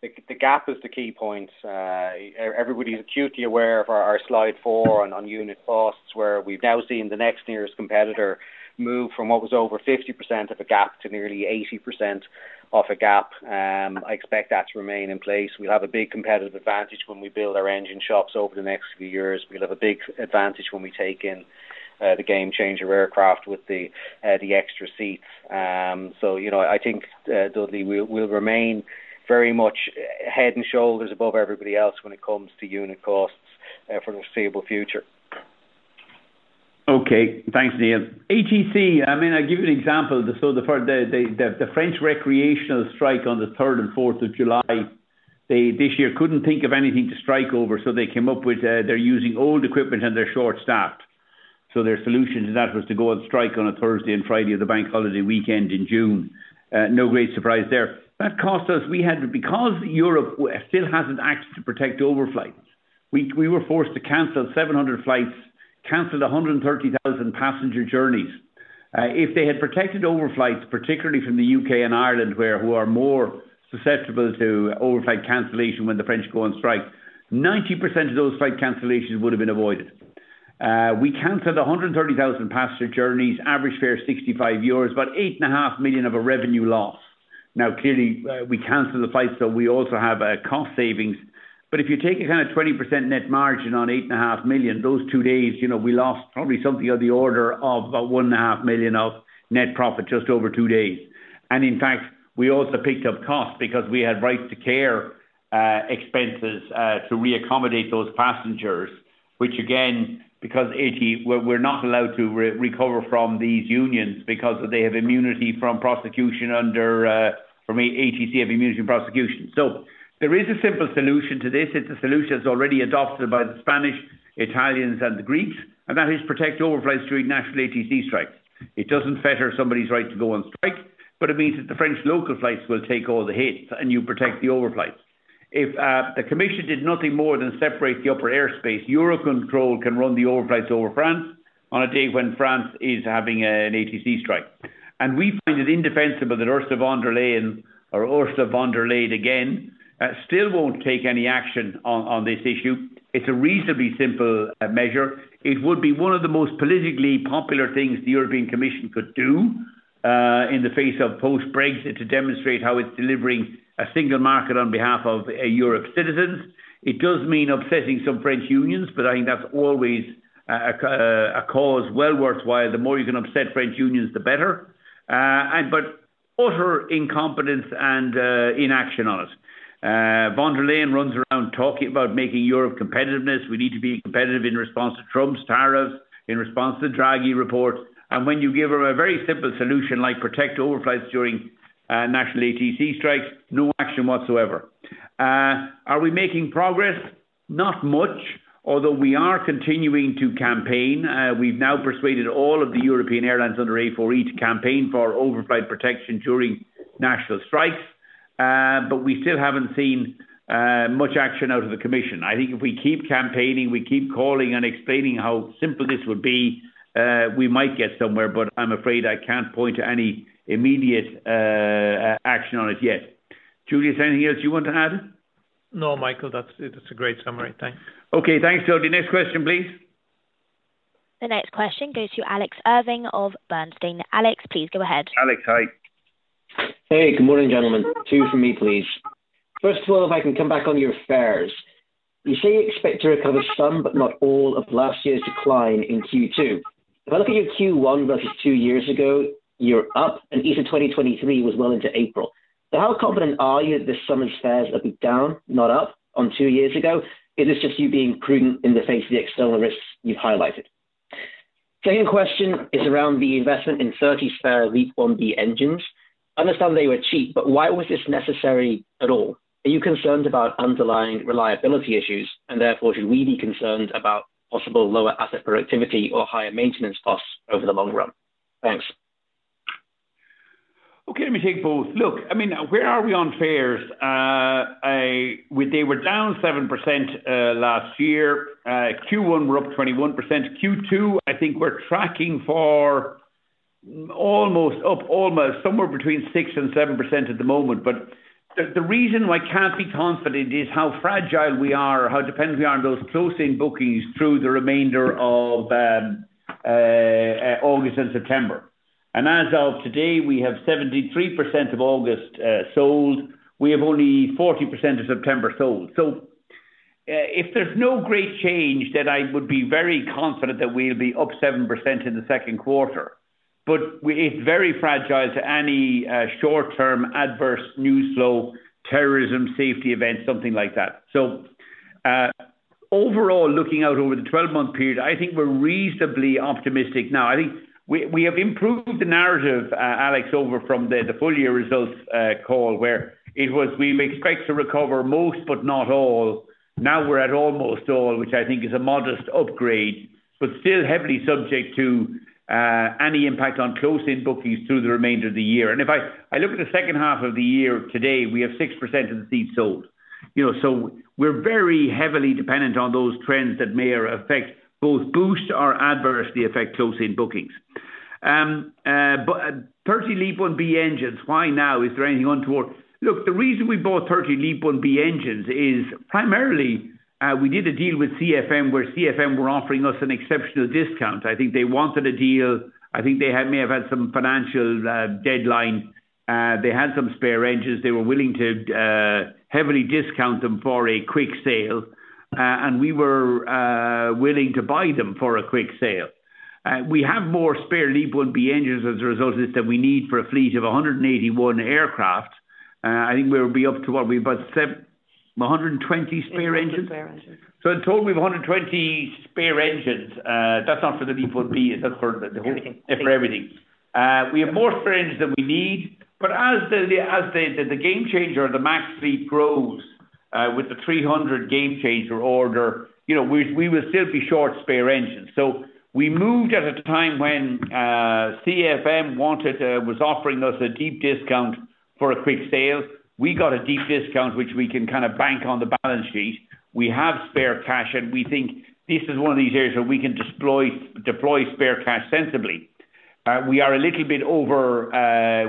The gap is the key point. Everybody's acutely aware of our slide four on unit costs, where we've now seen the next nearest competitor move from what was over 50% of a gap to nearly 80% of a gap. I expect that to remain in place. We'll have a big competitive advantage when we build our engine shops over the next few years. We'll have a big advantage when we take in the Gamechanger aircraft with the extra seats. I think, Dudley, we'll remain very much head and shoulders above everybody else when it comes to unit costs for the foreseeable future. Okay, thanks, Neil. ATC, I mean, I'll give you an example. The French recreational strike on the 3rd and 4th of July, they this year couldn't think of anything to strike over, so they came up with they're using old equipment and they're short-staffed. Their solution to that was to go on strike on a Thursday and Friday of the bank holiday weekend in June. No great surprise there. That cost us because Europe still hasn't acted to protect overflights. We were forced to cancel 700 flights, canceled 130,000 passenger journeys. If they had protected overflights, particularly from the U.K. and Ireland, who are more susceptible to overflight cancellation when the French go on strike, 90% of those flight cancellations would have been avoided. We canceled 130,000 passenger journeys, average fare 65 euros, about 8.5 million of a revenue loss. Now, clearly, we canceled the flights, so we also have cost savings. If you take a kind of 20% net margin on 8.5 million, those two days, we lost probably something on the order of about 1.5 million of net profit just over two days. In fact, we also picked up costs because we had rights to care. Expenses to reaccommodate those passengers, which again, because we're not allowed to recover from these unions because they have immunity from prosecution under ATC, have immunity from prosecution. There is a simple solution to this. It's a solution that's already adopted by the Spanish, Italians, and the Greeks, and that is protect overflights during national ATC strikes. It doesn't fetter somebody's right to go on strike, but it means that the French local flights will take all the hits, and you protect the overflights. If the Commission did nothing more than separate the upper airspace, Eurocontrol can run the overflights over France on a day when France is having an ATC strike. We find it indefensible that Ursula von der Leyen or Ursula von der Leyen again still won't take any action on this issue. It's a reasonably simple measure. It would be one of the most politically popular things the European Commission could do. In the face of post-Brexit to demonstrate how it's delivering a single market on behalf of Europe's citizens. It does mean upsetting some French unions, but I think that's always a cause well worthwhile. The more you can upset French unions, the better. Utter incompetence and inaction on it. Von der Leyen runs around talking about making Europe competitiveness. We need to be competitive in response to Trump's tariffs, in response to the Draghi Report. When you give her a very simple solution like protect overflights during national ATC strikes, no action whatsoever. Are we making progress? Not much, although we are continuing to campaign. We've now persuaded all of the European airlines under A4E to campaign for overflight protection during national strikes. We still haven't seen much action out of the Commission. I think if we keep campaigning, we keep calling and explaining how simple this would be, we might get somewhere. I'm afraid I can't point to any immediate action on it yet. Juliusz, anything else you want to add? No, Michael, that's a great summary. Thanks. Okay, thanks, Dudley. Next question, please. The next question goes to Alex Irving of Bernstein. Alex, please go ahead. Alex, hi. Hey, good morning, gentlemen. Two from me, please. First of all, if I can come back on your fares. You say you expect to recover some, but not all, of last year's decline in Q2. If I look at your Q1 versus two years ago, you're up, and Easter 2023 was well into April. How confident are you that this summer's fares are beat down, not up, on two years ago? Is this just you being prudent in the face of the external risks you've highlighted? The second question is around the investment in 30 spare LEAP-IB engines. I understand they were cheap, but why was this necessary at all? Are you concerned about underlying reliability issues, and therefore should we be concerned about possible lower asset productivity or higher maintenance costs over the long run? Thanks. Okay, let me take both. Look, I mean, where are we on fares? They were down 7% last year. Q1, we're up 21%. Q2, I think we're tracking for almost up, almost somewhere between 6% and 7% at the moment. The reason why I can't be confident is how fragile we are, how dependent we are on those close-in bookings through the remainder of August and September. As of today, we have 73% of August sold. We have only 40% of September sold. If there's no great change, then I would be very confident that we'll be up 7% in the second quarter. It is very fragile to any short-term adverse news flow, terrorism, safety events, something like that. Overall, looking out over the 12-month period, I think we're reasonably optimistic now. I think we have improved the narrative, Alex, over from the full-year results call, where it was we expect to recover most, but not all. Now we're at almost all, which I think is a modest upgrade, but still heavily subject to any impact on close-in bookings through the remainder of the year. If I look at the second half of the year today, we have 6% of the seats sold. We are very heavily dependent on those trends that may affect both boost or adversely affect close-in bookings. But 30 LEAP-IB engines, why now? Is there anything untoward? Look, the reason we bought 30 LEAP-1B engines is primarily we did a deal with CFM, where CFM were offering us an exceptional discount. I think they wanted a deal. I think they may have had some financial deadline. They had some spare engines. They were willing to heavily discount them for a quick sale. We were willing to buy them for a quick sale. We have more spare LEAP-IB engines as a result of this than we need for a fleet of 181 aircraft. I think we'll be up to what? We've got 120 spare engines? In total, we have 120 spare engines. That's not for the LEAP-IB. It's for everything. We have more spare engines than we need. As the Gamechanger or the MAX-3 grows with the 300 Gamechanger order, we will still be short spare engines. We moved at a time when CFM was offering us a deep discount for a quick sale. We got a deep discount, which we can kind of bank on the balance sheet. We have spare cash, and we think this is one of these areas where we can deploy spare cash sensibly. We are a little bit over.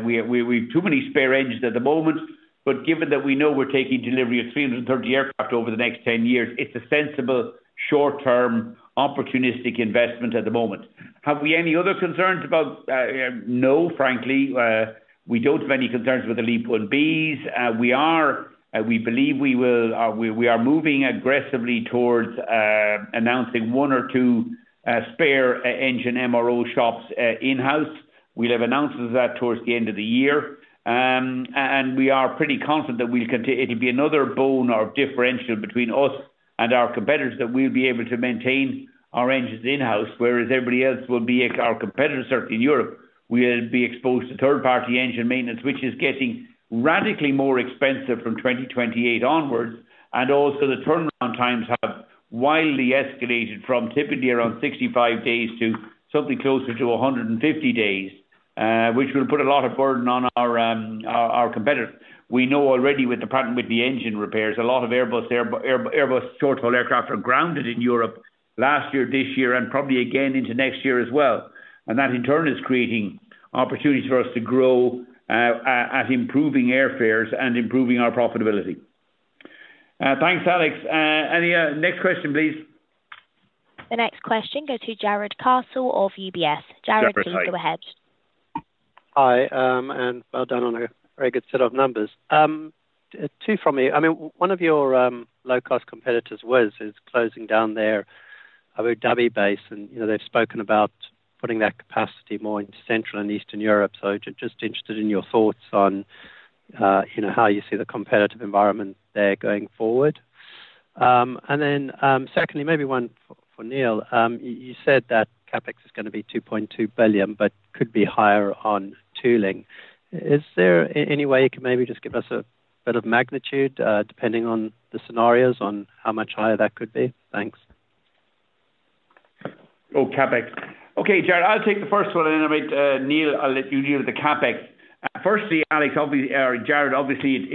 We have too many spare engines at the moment. Given that we know we're taking delivery of 330 aircraft over the next 10 years, it's a sensible, short-term, opportunistic investment at the moment. Have we any other concerns about—no, frankly. We don't have any concerns with the LEAP-IBs. We believe we are moving aggressively towards announcing one or two spare engine MRO shops in-house. We'll have announcements of that towards the end of the year. We are pretty confident that it'll be another bonus or differential between us and our competitors that we'll be able to maintain our engines in-house, whereas everybody else—our competitors, certainly in Europe—will be exposed to third-party engine maintenance, which is getting radically more expensive from 2028 onwards. Also, the turnaround times have wildly escalated from typically around 65 days to something closer to 150 days, which will put a lot of burden on our competitors. We know already with the pattern with the engine repairs, a lot of Airbus short-haul aircraft are grounded in Europe last year, this year, and probably again into next year as well. That, in turn, is creating opportunities for us to grow at improving airfares and improving our profitability. Thanks, Alex. Any next question, please? The next question goes to Jarrod Castle of UBS. Jared, please go ahead. Hi, and well done on a very good set of numbers. Two from you. I mean, one of your low-cost competitors was closing down their Abu Dhabi base, and they've spoken about putting that capacity more into central and eastern Europe. Just interested in your thoughts on how you see the competitive environment there going forward. Then secondly, maybe one for Neil. You said that CapEx is going to be 2.2 billion, but could be higher on tooling. Is there any way you can maybe just give us a bit of magnitude depending on the scenarios on how much higher that could be? Thanks. Oh, CapEx. Okay, Jarrod, I'll take the first one. Neil, I'll let you deal with the CapEx. Firstly, Alex, Jarrod, obviously,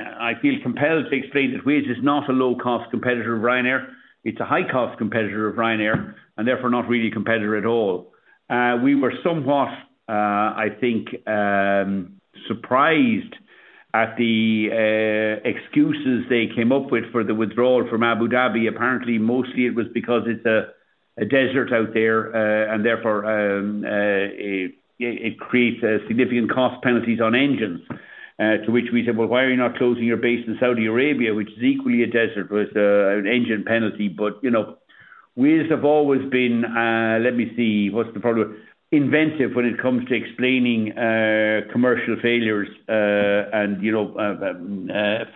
I feel compelled to explain that Wizz is not a low-cost competitor of Ryanair. It's a high-cost competitor of Ryanair, and therefore not really a competitor at all. We were somewhat, I think, surprised at the excuses they came up with for the withdrawal from Abu Dhabi. Apparently, mostly it was because it's a desert out there, and therefore it creates significant cost penalties on engines, to which we said, "Why are you not closing your base in Saudi Arabia, which is equally a desert with an engine penalty?" Wizz has always been, let me see, what's the phrase, inventive when it comes to explaining commercial failures and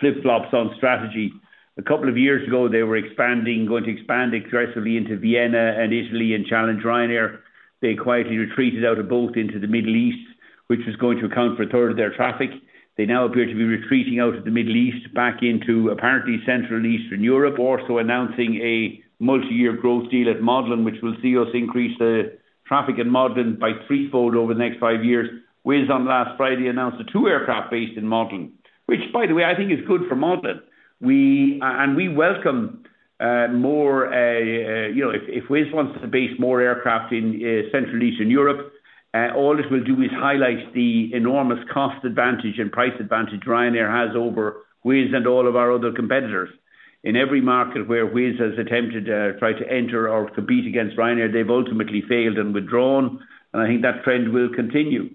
flip-flops on strategy. A couple of years ago, they were going to expand aggressively into Vienna and Italy and challenge Ryanair. They quietly retreated out of both into the Middle East, which was going to account for a third of their traffic. They now appear to be retreating out of the Middle East back into apparently central and eastern Europe, also announcing a multi-year growth deal at Modlin, which will see us increase the traffic in Modlin by threefold over the next five years. Wizz, on last Friday, announced a two-aircraft base in Modlin, which, by the way, I think is good for Modlin. We welcome more. If Wizz wants to base more aircraft in central and eastern Europe, all it will do is highlight the enormous cost advantage and price advantage Ryanair has over Wizz and all of our other competitors. In every market where Wizz has attempted to try to enter or compete against Ryanair, they've ultimately failed and withdrawn. I think that trend will continue.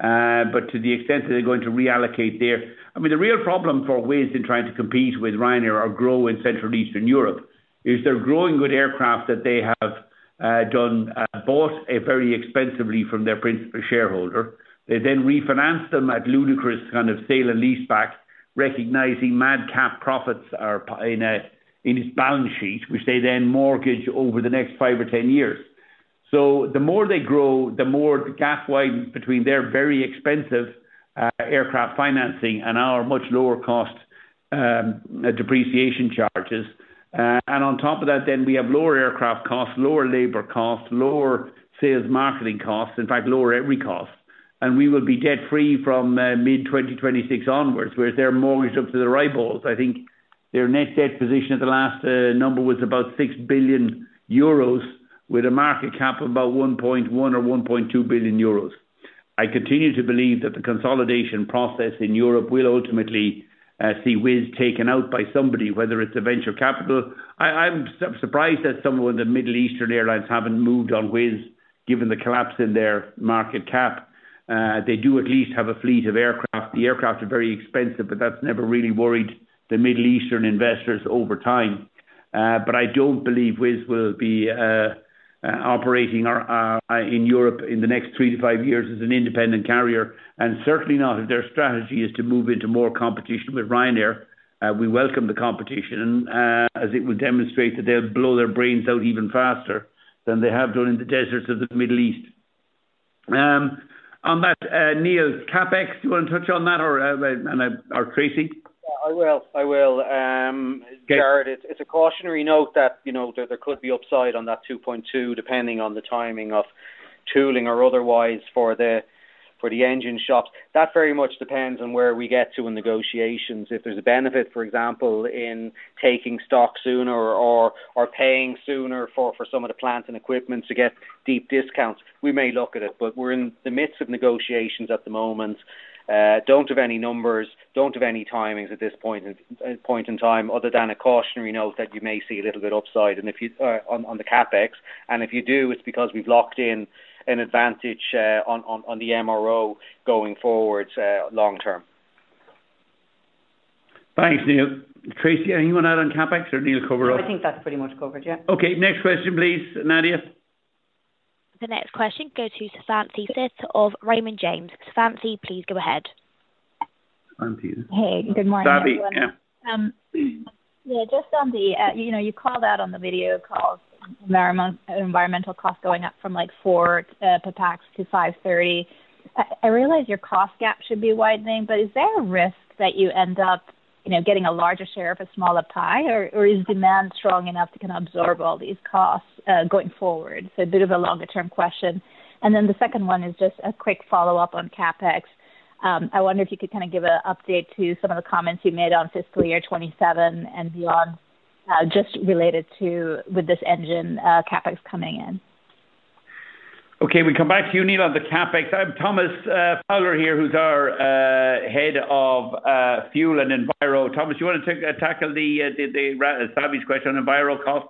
To the extent that they're going to reallocate their—I mean, the real problem for Wizz in trying to compete with Ryanair or grow in central and eastern Europe is they're growing good aircraft that they have bought very expensively from their principal shareholder. They then refinance them at ludicrous kind of sale and lease back, recognizing madcap profits in its balance sheet, which they then mortgage over the next 5 or 10 years. The more they grow, the more the gap widens between their very expensive aircraft financing and our much lower cost depreciation charges. On top of that, we have lower aircraft costs, lower labor costs, lower sales marketing costs, in fact, lower every cost. We will be debt-free from mid-2026 onwards, whereas they're mortgaged up to the rib balls. I think their net debt position at the last number was about 6 billion euros, with a market cap of about 1.1 billion or 1.2 billion euros. I continue to believe that the consolidation process in Europe will ultimately see Wizz taken out by somebody, whether it's a venture capital. I'm surprised that some of the Middle Eastern airlines haven't moved on Wizz given the collapse in their market cap. They do at least have a fleet of aircraft. The aircraft are very expensive, but that's never really worried the Middle Eastern investors over time. I don't believe Wizz will be operating in Europe in the next three to five years as an independent carrier. Certainly not if their strategy is to move into more competition with Ryanair. We welcome the competition, as it will demonstrate that they'll blow their brains out even faster than they have done in the deserts of the Middle East. On that, Neil, CapEx, do you want to touch on that or Tracey? Yeah, I will. Jarrod, it's a cautionary note that there could be upside on that 2.2, depending on the timing of tooling or otherwise for the engine shops. That very much depends on where we get to in negotiations. If there's a benefit, for example, in taking stock sooner or paying sooner for some of the plant and equipment to get deep discounts, we may look at it. We are in the midst of negotiations at the moment. Do not have any numbers. Do not have any timings at this point in time other than a cautionary note that you may see a little bit of upside on the CapEx. If you do, it's because we have locked in an advantage on the MRO going forward long-term. Thanks, Neil. Tracey, anyone out on CapEx? Or Neil cover it all? I think that's pretty much covered, yeah. Okay. Next question, please, Nadia. The next question goes to Santhi Syth of Raymond James. Santhi, please go ahead. Hey, good morning. Savvy, yeah. Yeah, just on the—you called out on the video calls, environmental costs going up from 4 per pax to 5.30. I realize your cost gap should be widening, but is there a risk that you end up getting a larger share of a smaller pie, or is demand strong enough to kind of absorb all these costs going forward? A bit of a longer-term question. The second one is just a quick follow-up on CapEx. I wonder if you could kind of give an update to some of the comments you made on fiscal year 2027 and beyond, just related to with this engine, CapEx coming in. Okay, we come back to you, Neil, on the CapEx. Thomas Fowler here, who's our Head of Fuel and Enviro. Thomas, you want to tackle Savvy's question on enviro cost?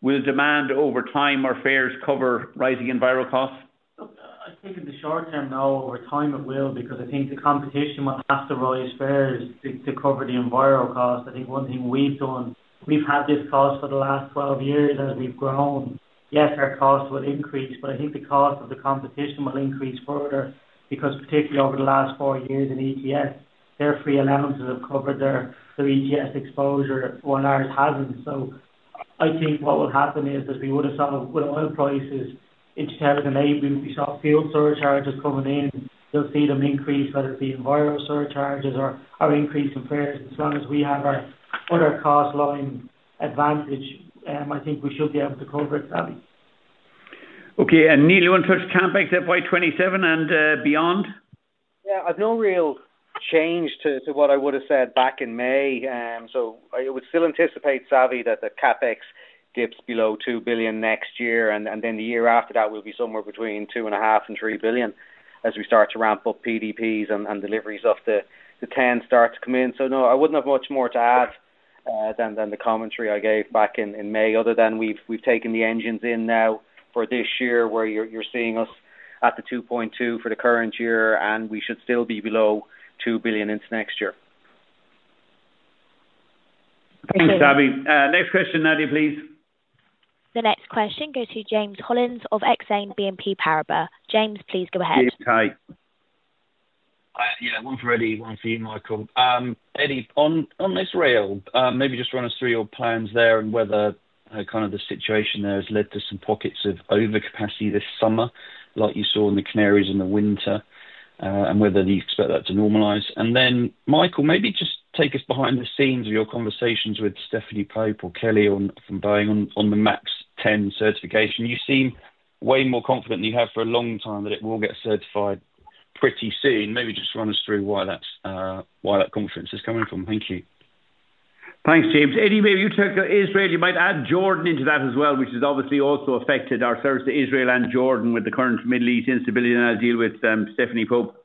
Will demand over time or fares cover rising enviro costs? I think in the short term though, over time it will, because I think the competition will have to raise fares to cover the enviro cost. I think one thing we have done, we have had this cost for the last 12 years as we have grown. Yes, our costs will increase, but I think the cost of the competition will increase further because, particularly over the last four years in ETS, their free allowances have covered their ETS exposure. Ours have not. I think what will happen is, as we saw with oil prices in 2008, we saw fuel surcharges coming in. You will see them increase, whether it be enviro surcharges or increase in fares. As long as we have our cost-loading advantage, I think we should be able to cover it, Savvy. Okay. Neil, you want to touch CapEx at Y27 and beyond? Yeah, I've no real change to what I would have said back in May. I would still anticipate, Savvy, that the CapEx dips below 2 billion next year, and then the year after that will be somewhere between 2.5 billion-3 billion as we start to ramp up PDPs and deliveries of the 10 start to come in. I wouldn't have much more to add than the commentary I gave back in May, other than we've taken the engines in now for this year where you're seeing us at the 2.2 billion for the current year, and we should still be below 2 billion into next year. Thank you, Savvy. Next question, Nadia, please. The next question goes to James Hollins of Exane BNP Paribas. James, please go ahead. James, hi. Yeah, one for Eddie. One for you, Michael. Eddie, on this rail, maybe just run us through your plans there and whether kind of the situation there has led to some pockets of overcapacity this summer, like you saw in the Canaries in the winter, and whether you expect that to normalize. Michael, maybe just take us behind the scenes of your conversations with Stephanie Pope or Kelly from Boeing on the MAX-10 certification. You seem way more confident than you have for a long time that it will get certified pretty soon. Maybe just run us through why that confidence is coming from. Thank you. Thanks, James. Eddie, maybe you took Israel. You might add Jordan into that as well, which has obviously also affected our service to Israel and Jordan with the current Middle East instability and our deal with Stephanie Pope.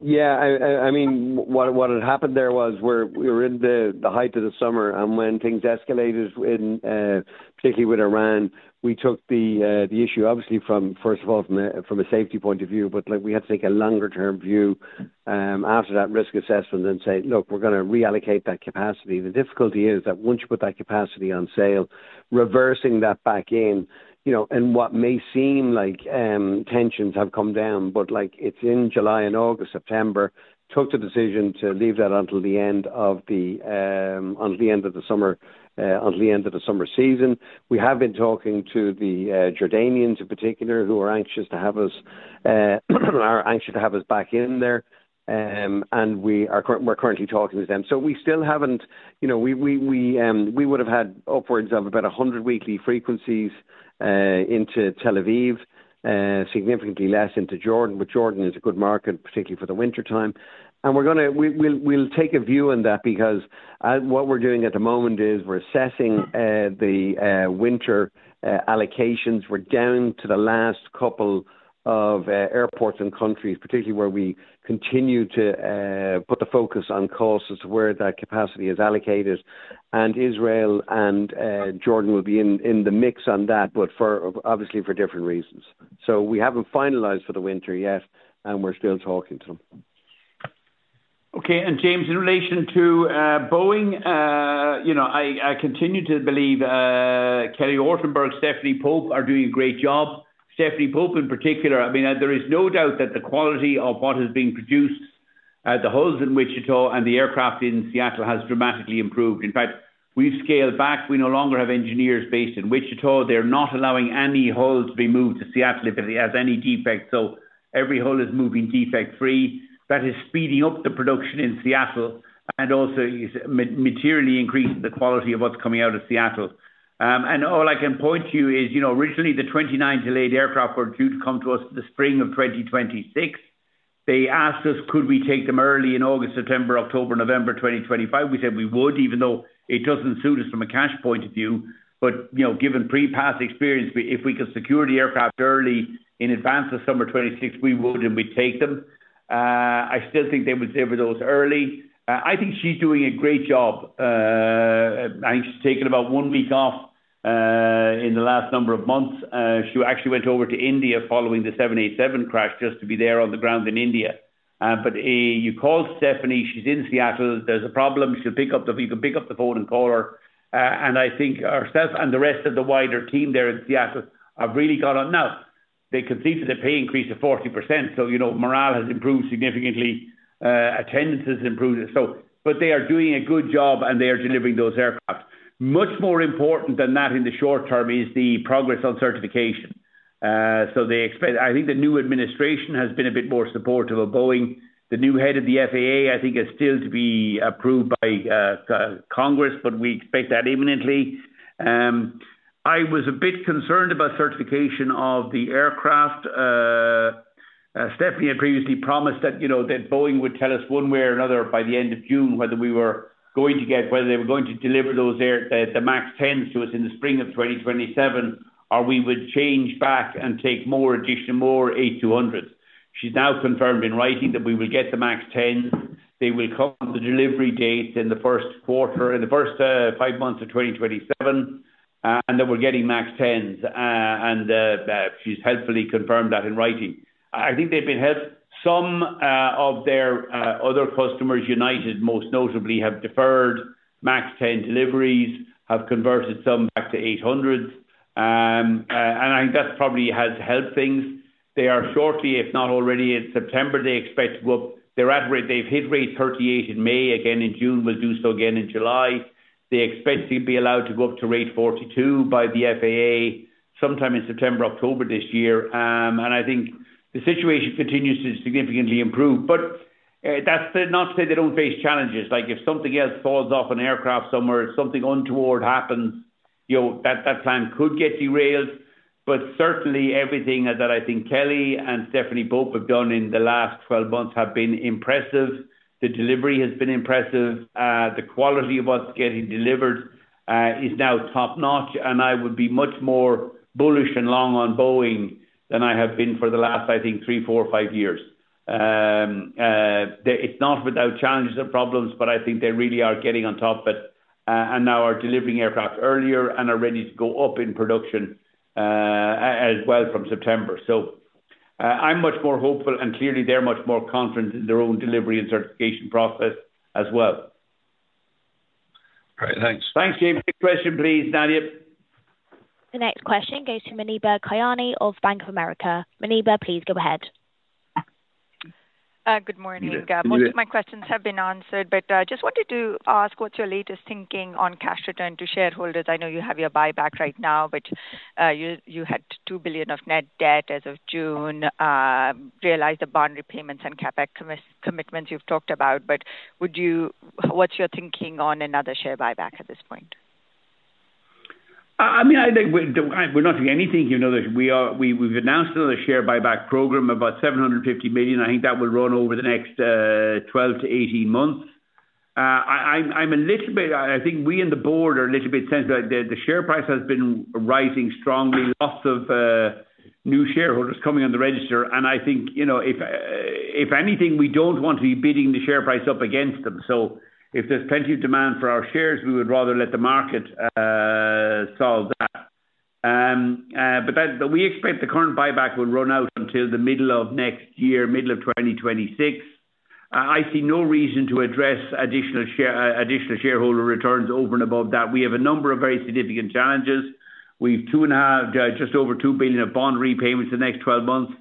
Yeah, I mean, what had happened there was we were in the height of the summer, and when things escalated. Particularly with Iran, we took the issue, obviously, first of all, from a safety point of view, but we had to take a longer-term view after that risk assessment and say, "Look, we're going to reallocate that capacity." The difficulty is that once you put that capacity on sale, reversing that back in, and what may seem like tensions have come down, but it's in July and August, September, took the decision to leave that until the end of the summer, until the end of the summer season. We have been talking to the Jordanians in particular, who are anxious to have us, are anxious to have us back in there. And we're currently talking to them. We still haven't—we would have had upwards of about 100 weekly frequencies into Tel Aviv, significantly less into Jordan, but Jordan is a good market, particularly for the wintertime. We'll take a view on that because what we're doing at the moment is we're assessing the winter allocations. We're down to the last couple of airports and countries, particularly where we continue to put the focus on costs as to where that capacity is allocated. Israel and Jordan will be in the mix on that, but obviously for different reasons. We haven't finalized for the winter yet, and we're still talking to them. Okay. James, in relation to Boeing, I continue to believe Kelly Ortberg and Stephanie Pope are doing a great job. Stephanie Pope, in particular, I mean, there is no doubt that the quality of what has been produced at the hulls in Wichita and the aircraft in Seattle has dramatically improved. In fact, we have scaled back. We no longer have engineers based in Wichita. They are not allowing any hulls to be moved to Seattle if it has any defects. Every hull is moving defect-free. That is speeding up the production in Seattle and also materially increasing the quality of what is coming out of Seattle. All I can point to you is originally the 29 delayed aircraft were due to come to us in the spring of 2026. They asked us, "Could we take them early in August, September, October, November, 2025?" We said we would, even though it does not suit us from a cash point of view. Given pre-pass experience, if we could secure the aircraft early in advance of summer 2026, we would and we would take them. I still think they would deliver those early. I think she is doing a great job. I think she has taken about one week off in the last number of months. She actually went over to India following the 787 crash just to be there on the ground in India. You call Stephanie, she is in Seattle, there is a problem, you can pick up the phone and call her. I think herself and the rest of the wider team there in Seattle have really got on. They completed a pay increase of 40%, so morale has improved significantly. Attendance has improved. They are doing a good job, and they are delivering those aircraft. Much more important than that in the short term is the progress on certification. I think the new administration has been a bit more supportive of Boeing. The new head of the FAA, I think, is still to be approved by Congress, but we expect that imminently. I was a bit concerned about certification of the aircraft. Stephanie had previously promised that Boeing would tell us one way or another by the end of June whether we were going to get—whether they were going to deliver the MAX-10s to us in the spring of 2027, or we would change back and take more additional more A200s. She has now confirmed in writing that we will get the MAX-10s. They will come to delivery date in the first quarter, in the first five months of 2027. We are getting MAX-10s. She has helpfully confirmed that in writing. I think they have been helped. Some of their other customers, United most notably, have deferred MAX-10 deliveries, have converted some back to 800s. I think that probably has helped things. They are shortly, if not already in September, they expect to go up. They have hit rate 38 in May. Again, in June, we'll do so again in July. They expect to be allowed to go up to rate 42 by the FAA sometime in September, October this year. I think the situation continues to significantly improve. That is not to say they do not face challenges. If something else falls off an aircraft somewhere, something untoward happens. That plan could get derailed. Certainly, everything that I think Kelly and Stephanie Pope have done in the last 12 months has been impressive. The delivery has been impressive. The quality of what is getting delivered is now top-notch. I would be much more bullish and long on Boeing than I have been for the last, I think, three, four, or five years. It is not without challenges or problems, but I think they really are getting on top of it and now are delivering aircraft earlier and are ready to go up in production as well from September. I am much more hopeful, and clearly, they are much more confident in their own delivery and certification process as well. All right, thanks. Thanks, James. Quick question, please, Nadia. The next question goes to Muneeba Kayani of Bank of America. Maneeba, please go ahead. Good morning, Cap. Most of my questions have been answered, but I just wanted to ask what's your latest thinking on cash return to shareholders? I know you have your buyback right now, but you had 2 billion of net debt as of June. Realized the bond repayments and CapEx commitments you've talked about, but what's your thinking on another share buyback at this point? I mean, I think we're not doing anything. We've announced another share buyback program of about 750 million. I think that will run over the next 12-18 months. I'm a little bit—I think we in the board are a little bit sensitive that the share price has been rising strongly, lots of new shareholders coming on the register. I think if anything, we don't want to be bidding the share price up against them. If there's plenty of demand for our shares, we would rather let the market solve that. We expect the current buyback will run out until the middle of next year, middle of 2026. I see no reason to address additional shareholder returns over and above that. We have a number of very significant challenges. We've just over 2 billion of bond repayments in the next 12 months.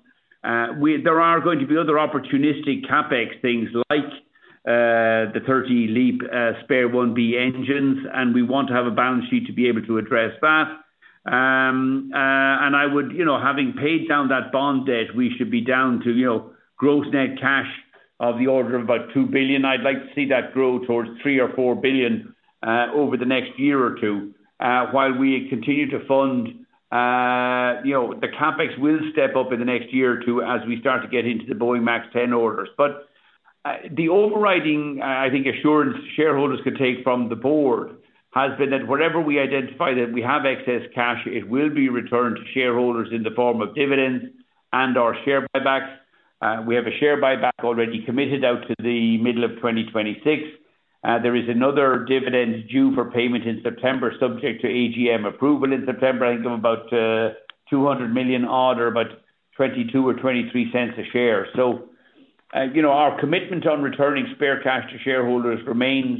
There are going to be other opportunistic CapEx things like the 30 LEAP-IB engines, and we want to have a balance sheet to be able to address that. Having paid down that bond debt, we should be down to gross net cash of the order of about 2 billion. I'd like to see that grow towards 3-4 billion over the next year or two. While we continue to fund, the CapEx will step up in the next year or two as we start to get into the Boeing MAX-10 orders. The overriding, I think, assurance shareholders could take from the board has been that whenever we identify that we have excess cash, it will be returned to shareholders in the form of dividends and our share buybacks. We have a share buyback already committed out to the middle of 2026. There is another dividend due for payment in September, subject to AGM approval in September, I think of about 200 million odd or about 0.22-0.23 a share. Our commitment on returning spare cash to shareholders remains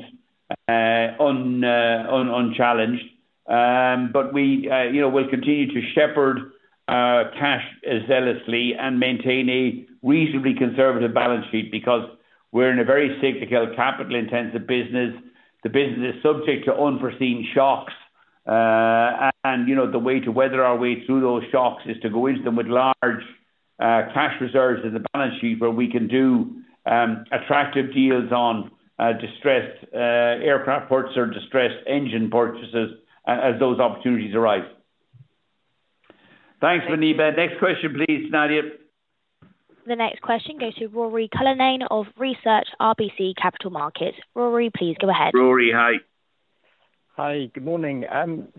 unchallenged. We will continue to shepherd cash zealously and maintain a reasonably conservative balance sheet because we're in a very cyclical, capital-intensive business. The business is subject to unforeseen shocks. The way to weather our way through those shocks is to go into them with large cash reserves in the balance sheet where we can do attractive deals on distressed aircraft parts or distressed engine purchases as those opportunities arise. Thanks, Muneeba. Next question, please, Nadia. The next question goes to Rory Cullinan of Research RBC Capital Markets. Rory, please go ahead. Rory, hi. Hi, good morning.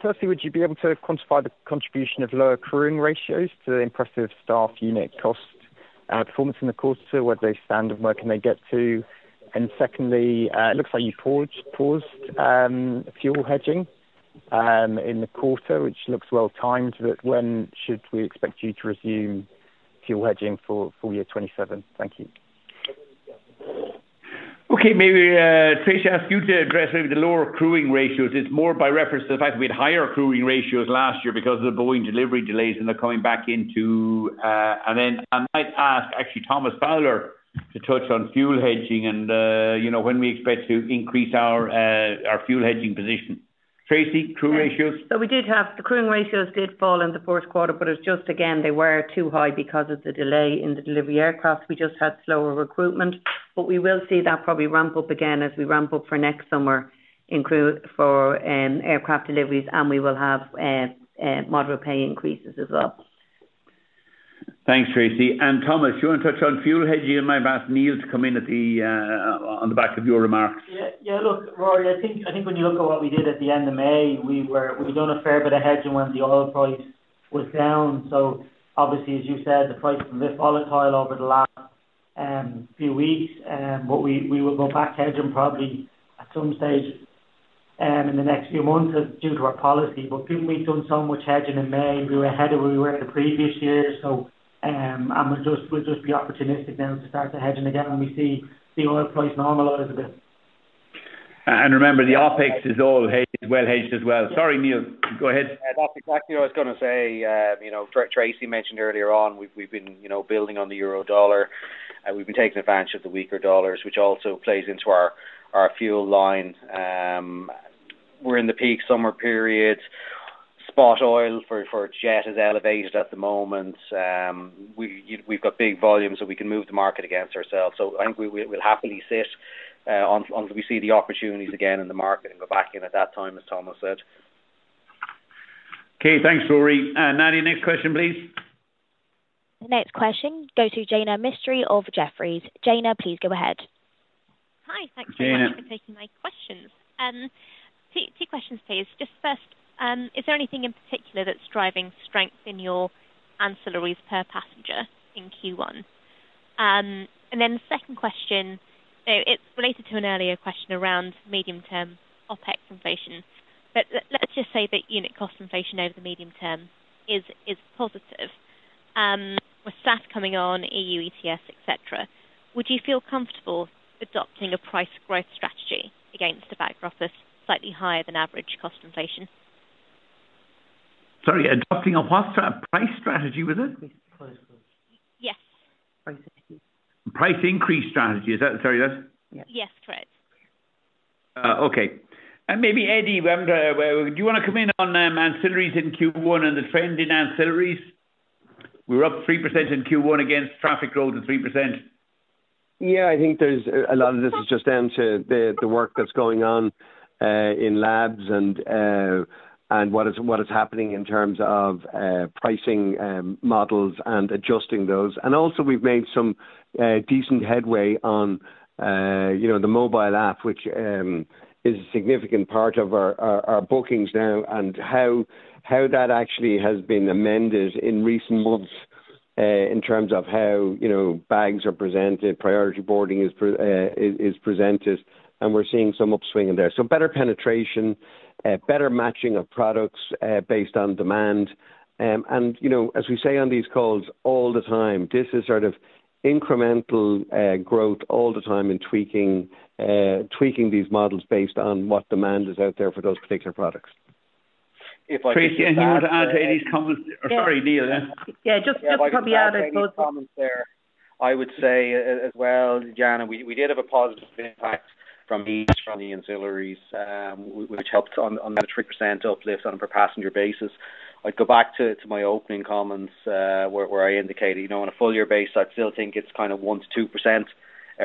Firstly, would you be able to quantify the contribution of lower crewing ratios to the impressive staff unit cost performance in the quarter, where they stand and where can they get to? Secondly, it looks like you have paused fuel hedging in the quarter, which looks well timed, but when should we expect you to resume fuel hedging for year 2027? Thank you. Okay, maybe Tracey asked you to address maybe the lower crewing ratios. It's more by reference to the fact we had higher crewing ratios last year because of the Boeing delivery delays and they're coming back into. And then I might ask, actually, Thomas Fowler to touch on fuel hedging and when we expect to increase our fuel hedging position. Tracey, crew ratios? We did have the crewing ratios did fall in the fourth quarter, but it's just, again, they were too high because of the delay in the delivery aircraft. We just had slower recruitment. We will see that probably ramp up again as we ramp up for next summer. For aircraft deliveries, and we will have moderate pay increases as well. Thanks, Tracey. Thomas, do you want to touch on fuel hedging? I might ask Neil to come in on the back of your remarks. Yeah, look, Rory, I think when you look at what we did at the end of May, we were doing a fair bit of hedging when the oil price was down. Obviously, as you said, the price has been volatile over the last few weeks. We will go back to hedging probably at some stage in the next few months due to our policy. We have done so much hedging in May. We were ahead of where we were in the previous year. We will just be opportunistic now to start to hedge again when we see the oil price normalize a bit. Remember, the OpEx is well hedged as well. Sorry, Neil, go ahead. That's exactly what I was going to say. Tracey mentioned earlier on, we've been building on the euro dollar. We've been taking advantage of the weaker dollars, which also plays into our fuel line. We're in the peak summer period. Spot oil for jet is elevated at the moment. We've got big volumes, so we can move the market against ourselves. I think we'll happily sit until we see the opportunities again in the market and go back in at that time, as Thomas said. Okay, thanks, Rory. Nadia, next question, please. The next question goes to Jaina Mistry of Jefferies. Jaina, please go ahead. Hi, thanks for taking my questions. Two questions, please. Just first, is there anything in particular that's driving strength in your ancillaries per passenger in Q1? The second question. It's related to an earlier question around medium-term OpEx inflation. Let's just say that unit cost inflation over the medium term is positive. With SAF coming on, EU ETS, etc., would you feel comfortable adopting a price growth strategy against a backdrop of slightly higher than average cost inflation? Sorry, adopting a price strategy, was it? Yes. Price increase strategy, is that what you said? Yes, correct. Okay. Maybe Eddie, do you want to come in on ancillaries in Q1 and the trend in ancillaries? We are up 3% in Q1 against traffic growth of 3%. Yeah, I think a lot of this is just down to the work that's going on in labs and what is happening in terms of pricing models and adjusting those. Also, we've made some decent headway on the mobile app, which is a significant part of our bookings now, and how that actually has been amended in recent months in terms of how bags are presented, priority boarding is presented. We're seeing some upswing in there. Better penetration, better matching of products based on demand. As we say on these calls all the time, this is sort of incremental growth all the time in tweaking these models based on what demand is out there for those particular products. Tracey, any more to add to Eddie's comments? Sorry, Neil. Yeah, just to probably add a thought. I would say as well, Jaina, we did have a positive impact from the ancillaries, which helped on the 3% uplift on a per passenger basis. I'd go back to my opening comments where I indicated on a full-year base, I still think it's kind of 1-2%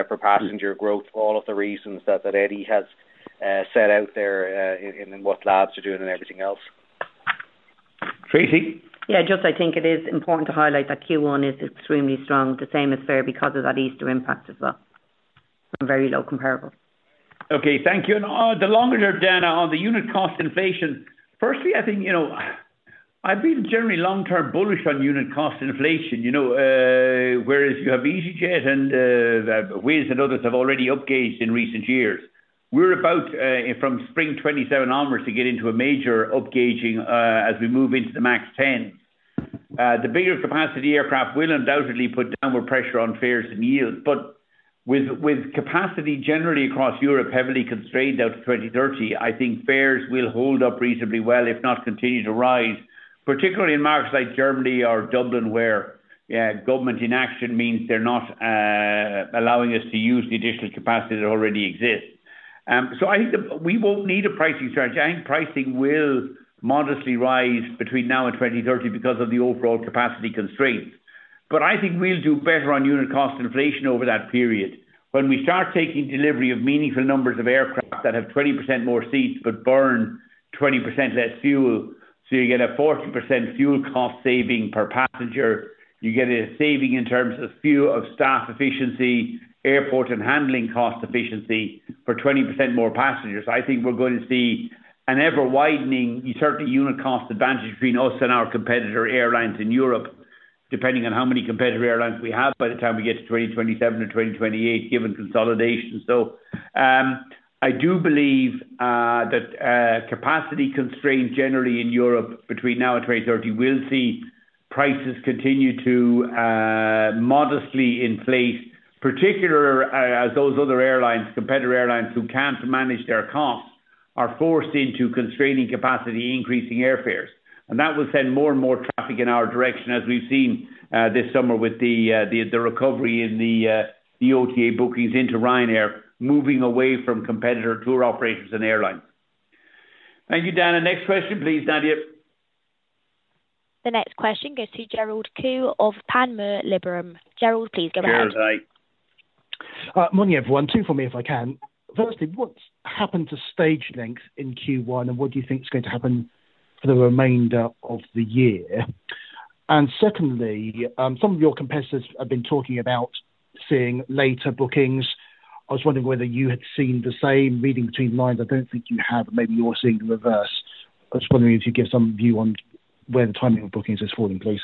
per passenger growth for all of the reasons that Eddie has set out there and what labs are doing and everything else. Tracey? Yeah, just I think it is important to highlight that Q1 is extremely strong. The same is fair because of that Easter impact as well, and very low comparable. Okay, thank you. In the longer term, Jaina, on the unit cost inflation, firstly, I think. I've been generally long-term bullish on unit cost inflation. Whereas you have EasyJet and ways that others have already upgazed in recent years. We're about from spring 2027 onwards to get into a major upgazing as we move into the MAX-10. The bigger capacity aircraft will undoubtedly put downward pressure on fares and yields. With capacity generally across Europe heavily constrained out to 2030, I think fares will hold up reasonably well, if not continue to rise, particularly in markets like Germany or Dublin where government inaction means they're not allowing us to use the additional capacity that already exists. I think we won't need a pricing strategy. I think pricing will modestly rise between now and 2030 because of the overall capacity constraints. I think we'll do better on unit cost inflation over that period. When we start taking delivery of meaningful numbers of aircraft that have 20% more seats but burn 20% less fuel, you get a 40% fuel cost saving per passenger, you get a saving in terms of staff efficiency, airport and handling cost efficiency for 20% more passengers. I think we're going to see an ever-widening, certainly unit cost advantage between us and our competitor airlines in Europe, depending on how many competitor airlines we have by the time we get to 2027 or 2028, given consolidation. I do believe that capacity constraints generally in Europe between now and 2030 will see prices continue to modestly inflate, particularly as those other airlines, competitor airlines who can't manage their costs, are forced into constraining capacity, increasing airfares. That will send more and more traffic in our direction as we've seen this summer with the recovery in the OTA bookings into Ryanair, moving away from competitor tour operators and airlines. Thank you, Jaina. Next question, please, Nadia. The next question goes to Gerald Khoo of Panmure Liberum. Gerald, please go ahead. Gerald, hi. Morning, everyone. Two for me if I can. Firstly, what's happened to stage length in Q1, and what do you think is going to happen for the remainder of the year? Secondly, some of your competitors have been talking about seeing later bookings. I was wondering whether you had seen the same reading between lines. I don't think you have, but maybe you're seeing the reverse. I was wondering if you could give some view on where the timing of bookings is falling, please.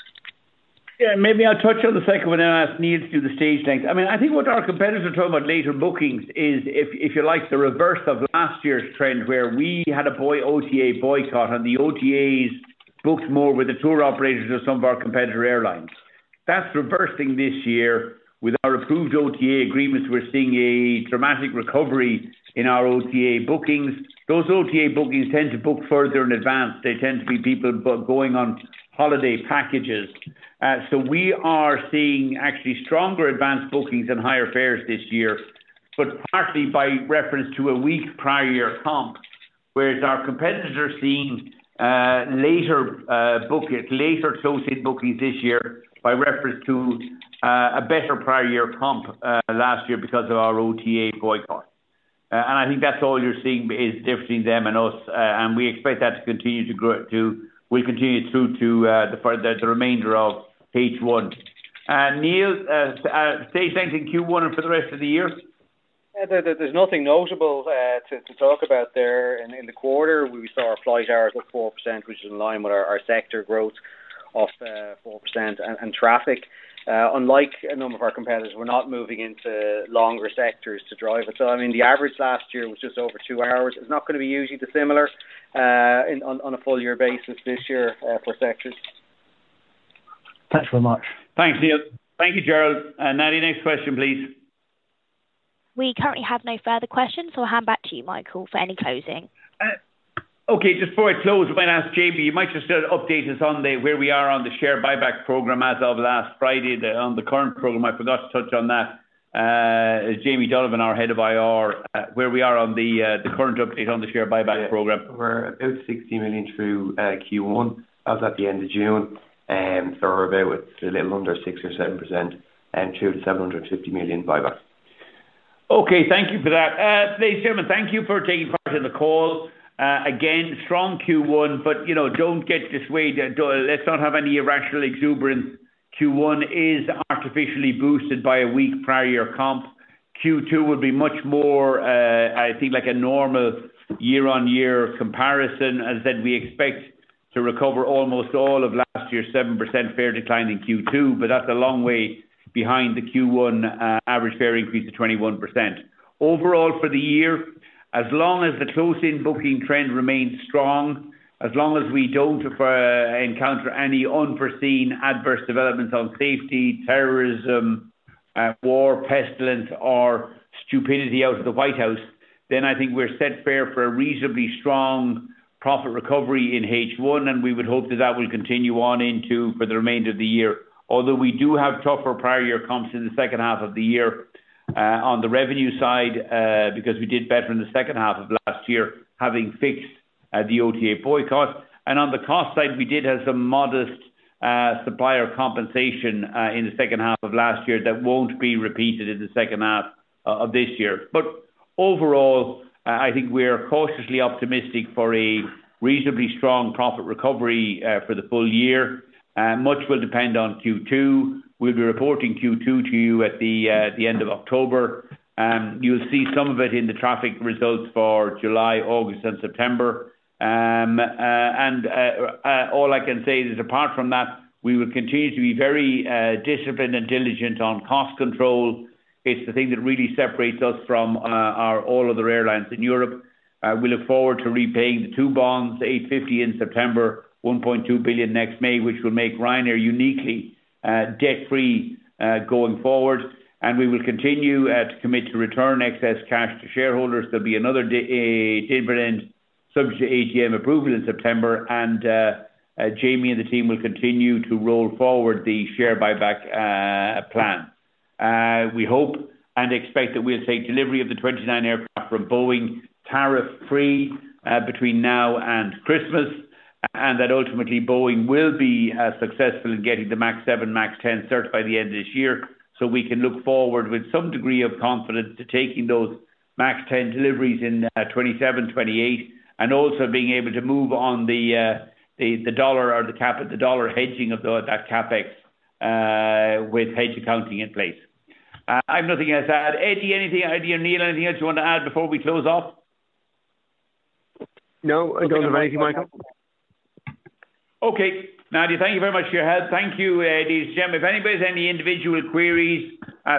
Yeah, maybe I'll touch on the second one and ask Neil to do the stage length. I mean, I think what our competitors are talking about later bookings is, if you like, the reverse of last year's trend where we had a OTA boycott and the OTAs booked more with the tour operators of some of our competitor airlines. That's reversing this year with our approved OTA agreements. We're seeing a dramatic recovery in our OTA bookings. Those OTA bookings tend to book further in advance. They tend to be people going on holiday packages. We are seeing actually stronger advanced bookings and higher fares this year, but partly by reference to a weak prior year comp, whereas our competitors are seeing later associated bookings this year by reference to a better prior year comp last year because of our OTA boycott. I think that's all you're seeing is difference between them and us. We expect that to continue to. Will continue through to the remainder of H1. Neil. Stage length in Q1 and for the rest of the year? There's nothing notable to talk about there. In the quarter, we saw our flight hours at 4%, which is in line with our sector growth of 4% and traffic. Unlike a number of our competitors, we're not moving into longer sectors to drive it. I mean, the average last year was just over two hours. It's not going to be hugely dissimilar on a full-year basis this year for sectors. Thanks very much. Thanks, Neil. Thank you, Gerald. Nadia, next question, please. We currently have no further questions, so I'll hand back to you, Michael, for any closing. Okay, just before I close, I might ask Jamie, you might just update us on where we are on the share buyback program as of last Friday on the current program. I forgot to touch on that. Jamie Donovan, our Head of IR, where we are on the current update on the share buyback program. We're at 60 million through Q1. That was at the end of June. So we're about a little under 6% or 7% and 200 million-750 million buybacks. Okay, thank you for that. Ladies and gentlemen, thank you for taking part in the call. Again, strong Q1, but do not get dissuaded. Let's not have any irrational exuberance. Q1 is artificially boosted by a weak prior year comp. Q2 would be much more, I think, like a normal year-on-year comparison. As I said, we expect to recover almost all of last year's 7% fare decline in Q2, but that is a long way behind the Q1 average fare increase of 21%. Overall, for the year, as long as the closing booking trend remains strong, as long as we do not encounter any unforeseen adverse developments on safety, terrorism, war, pestilence, or stupidity out of the White House, then I think we are set fair for a reasonably strong profit recovery in H1, and we would hope that that will continue on into for the remainder of the year. Although we do have tougher prior year comps in the second half of the year. On the revenue side, because we did better in the second half of last year, having fixed the OTA boycott. On the cost side, we did have some modest supplier compensation in the second half of last year that will not be repeated in the second half of this year. Overall, I think we are cautiously optimistic for a reasonably strong profit recovery for the full year. Much will depend on Q2. We will be reporting Q2 to you at the end of October. You will see some of it in the traffic results for July, August, and September. All I can say is, apart from that, we will continue to be very disciplined and diligent on cost control. It is the thing that really separates us from all other airlines in Europe. We look forward to repaying the two bonds, 850 million in September, 1.2 billion next May, which will make Ryanair uniquely debt-free going forward. We will continue to commit to return excess cash to shareholders. There will be another dividend subject to AGM approval in September. Jamie and the team will continue to roll forward the share buyback plan. We hope and expect that we will take delivery of the 29 aircraft from Boeing tariff-free between now and Christmas. Ultimately, Boeing will be successful in getting the MAX-7, MAX-10 certified by the end of this year. We can look forward with some degree of confidence to taking those MAX-10 deliveries in 2027, 2028, and also being able to move on the dollar or the dollar hedging of that CapEx. With hedge accounting in place. I have nothing else to add. Eddie, anything? Eddie or Neil, anything else you want to add before we close off? No, I do not have anything, Michael. Okay. Nadia, thank you very much for your help. Thank you, Eddie and Jem. If anybody has any individual queries,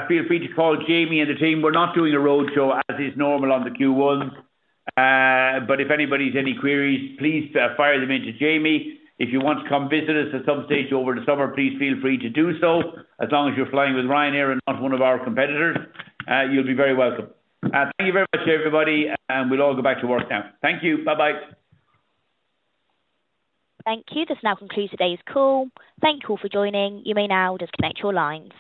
feel free to call Jamie and the team. We are not doing a roadshow as is normal on the Q1. If anybody has any queries, please fire them into Jamie. If you want to come visit us at some stage over the summer, please feel free to do so. As long as you're flying with Ryanair and not one of our competitors, you'll be very welcome. Thank you very much, everybody. We'll all go back to work now. Thank you. Bye-bye. Thank you. This now concludes today's call. Thank you all for joining. You may now disconnect your lines.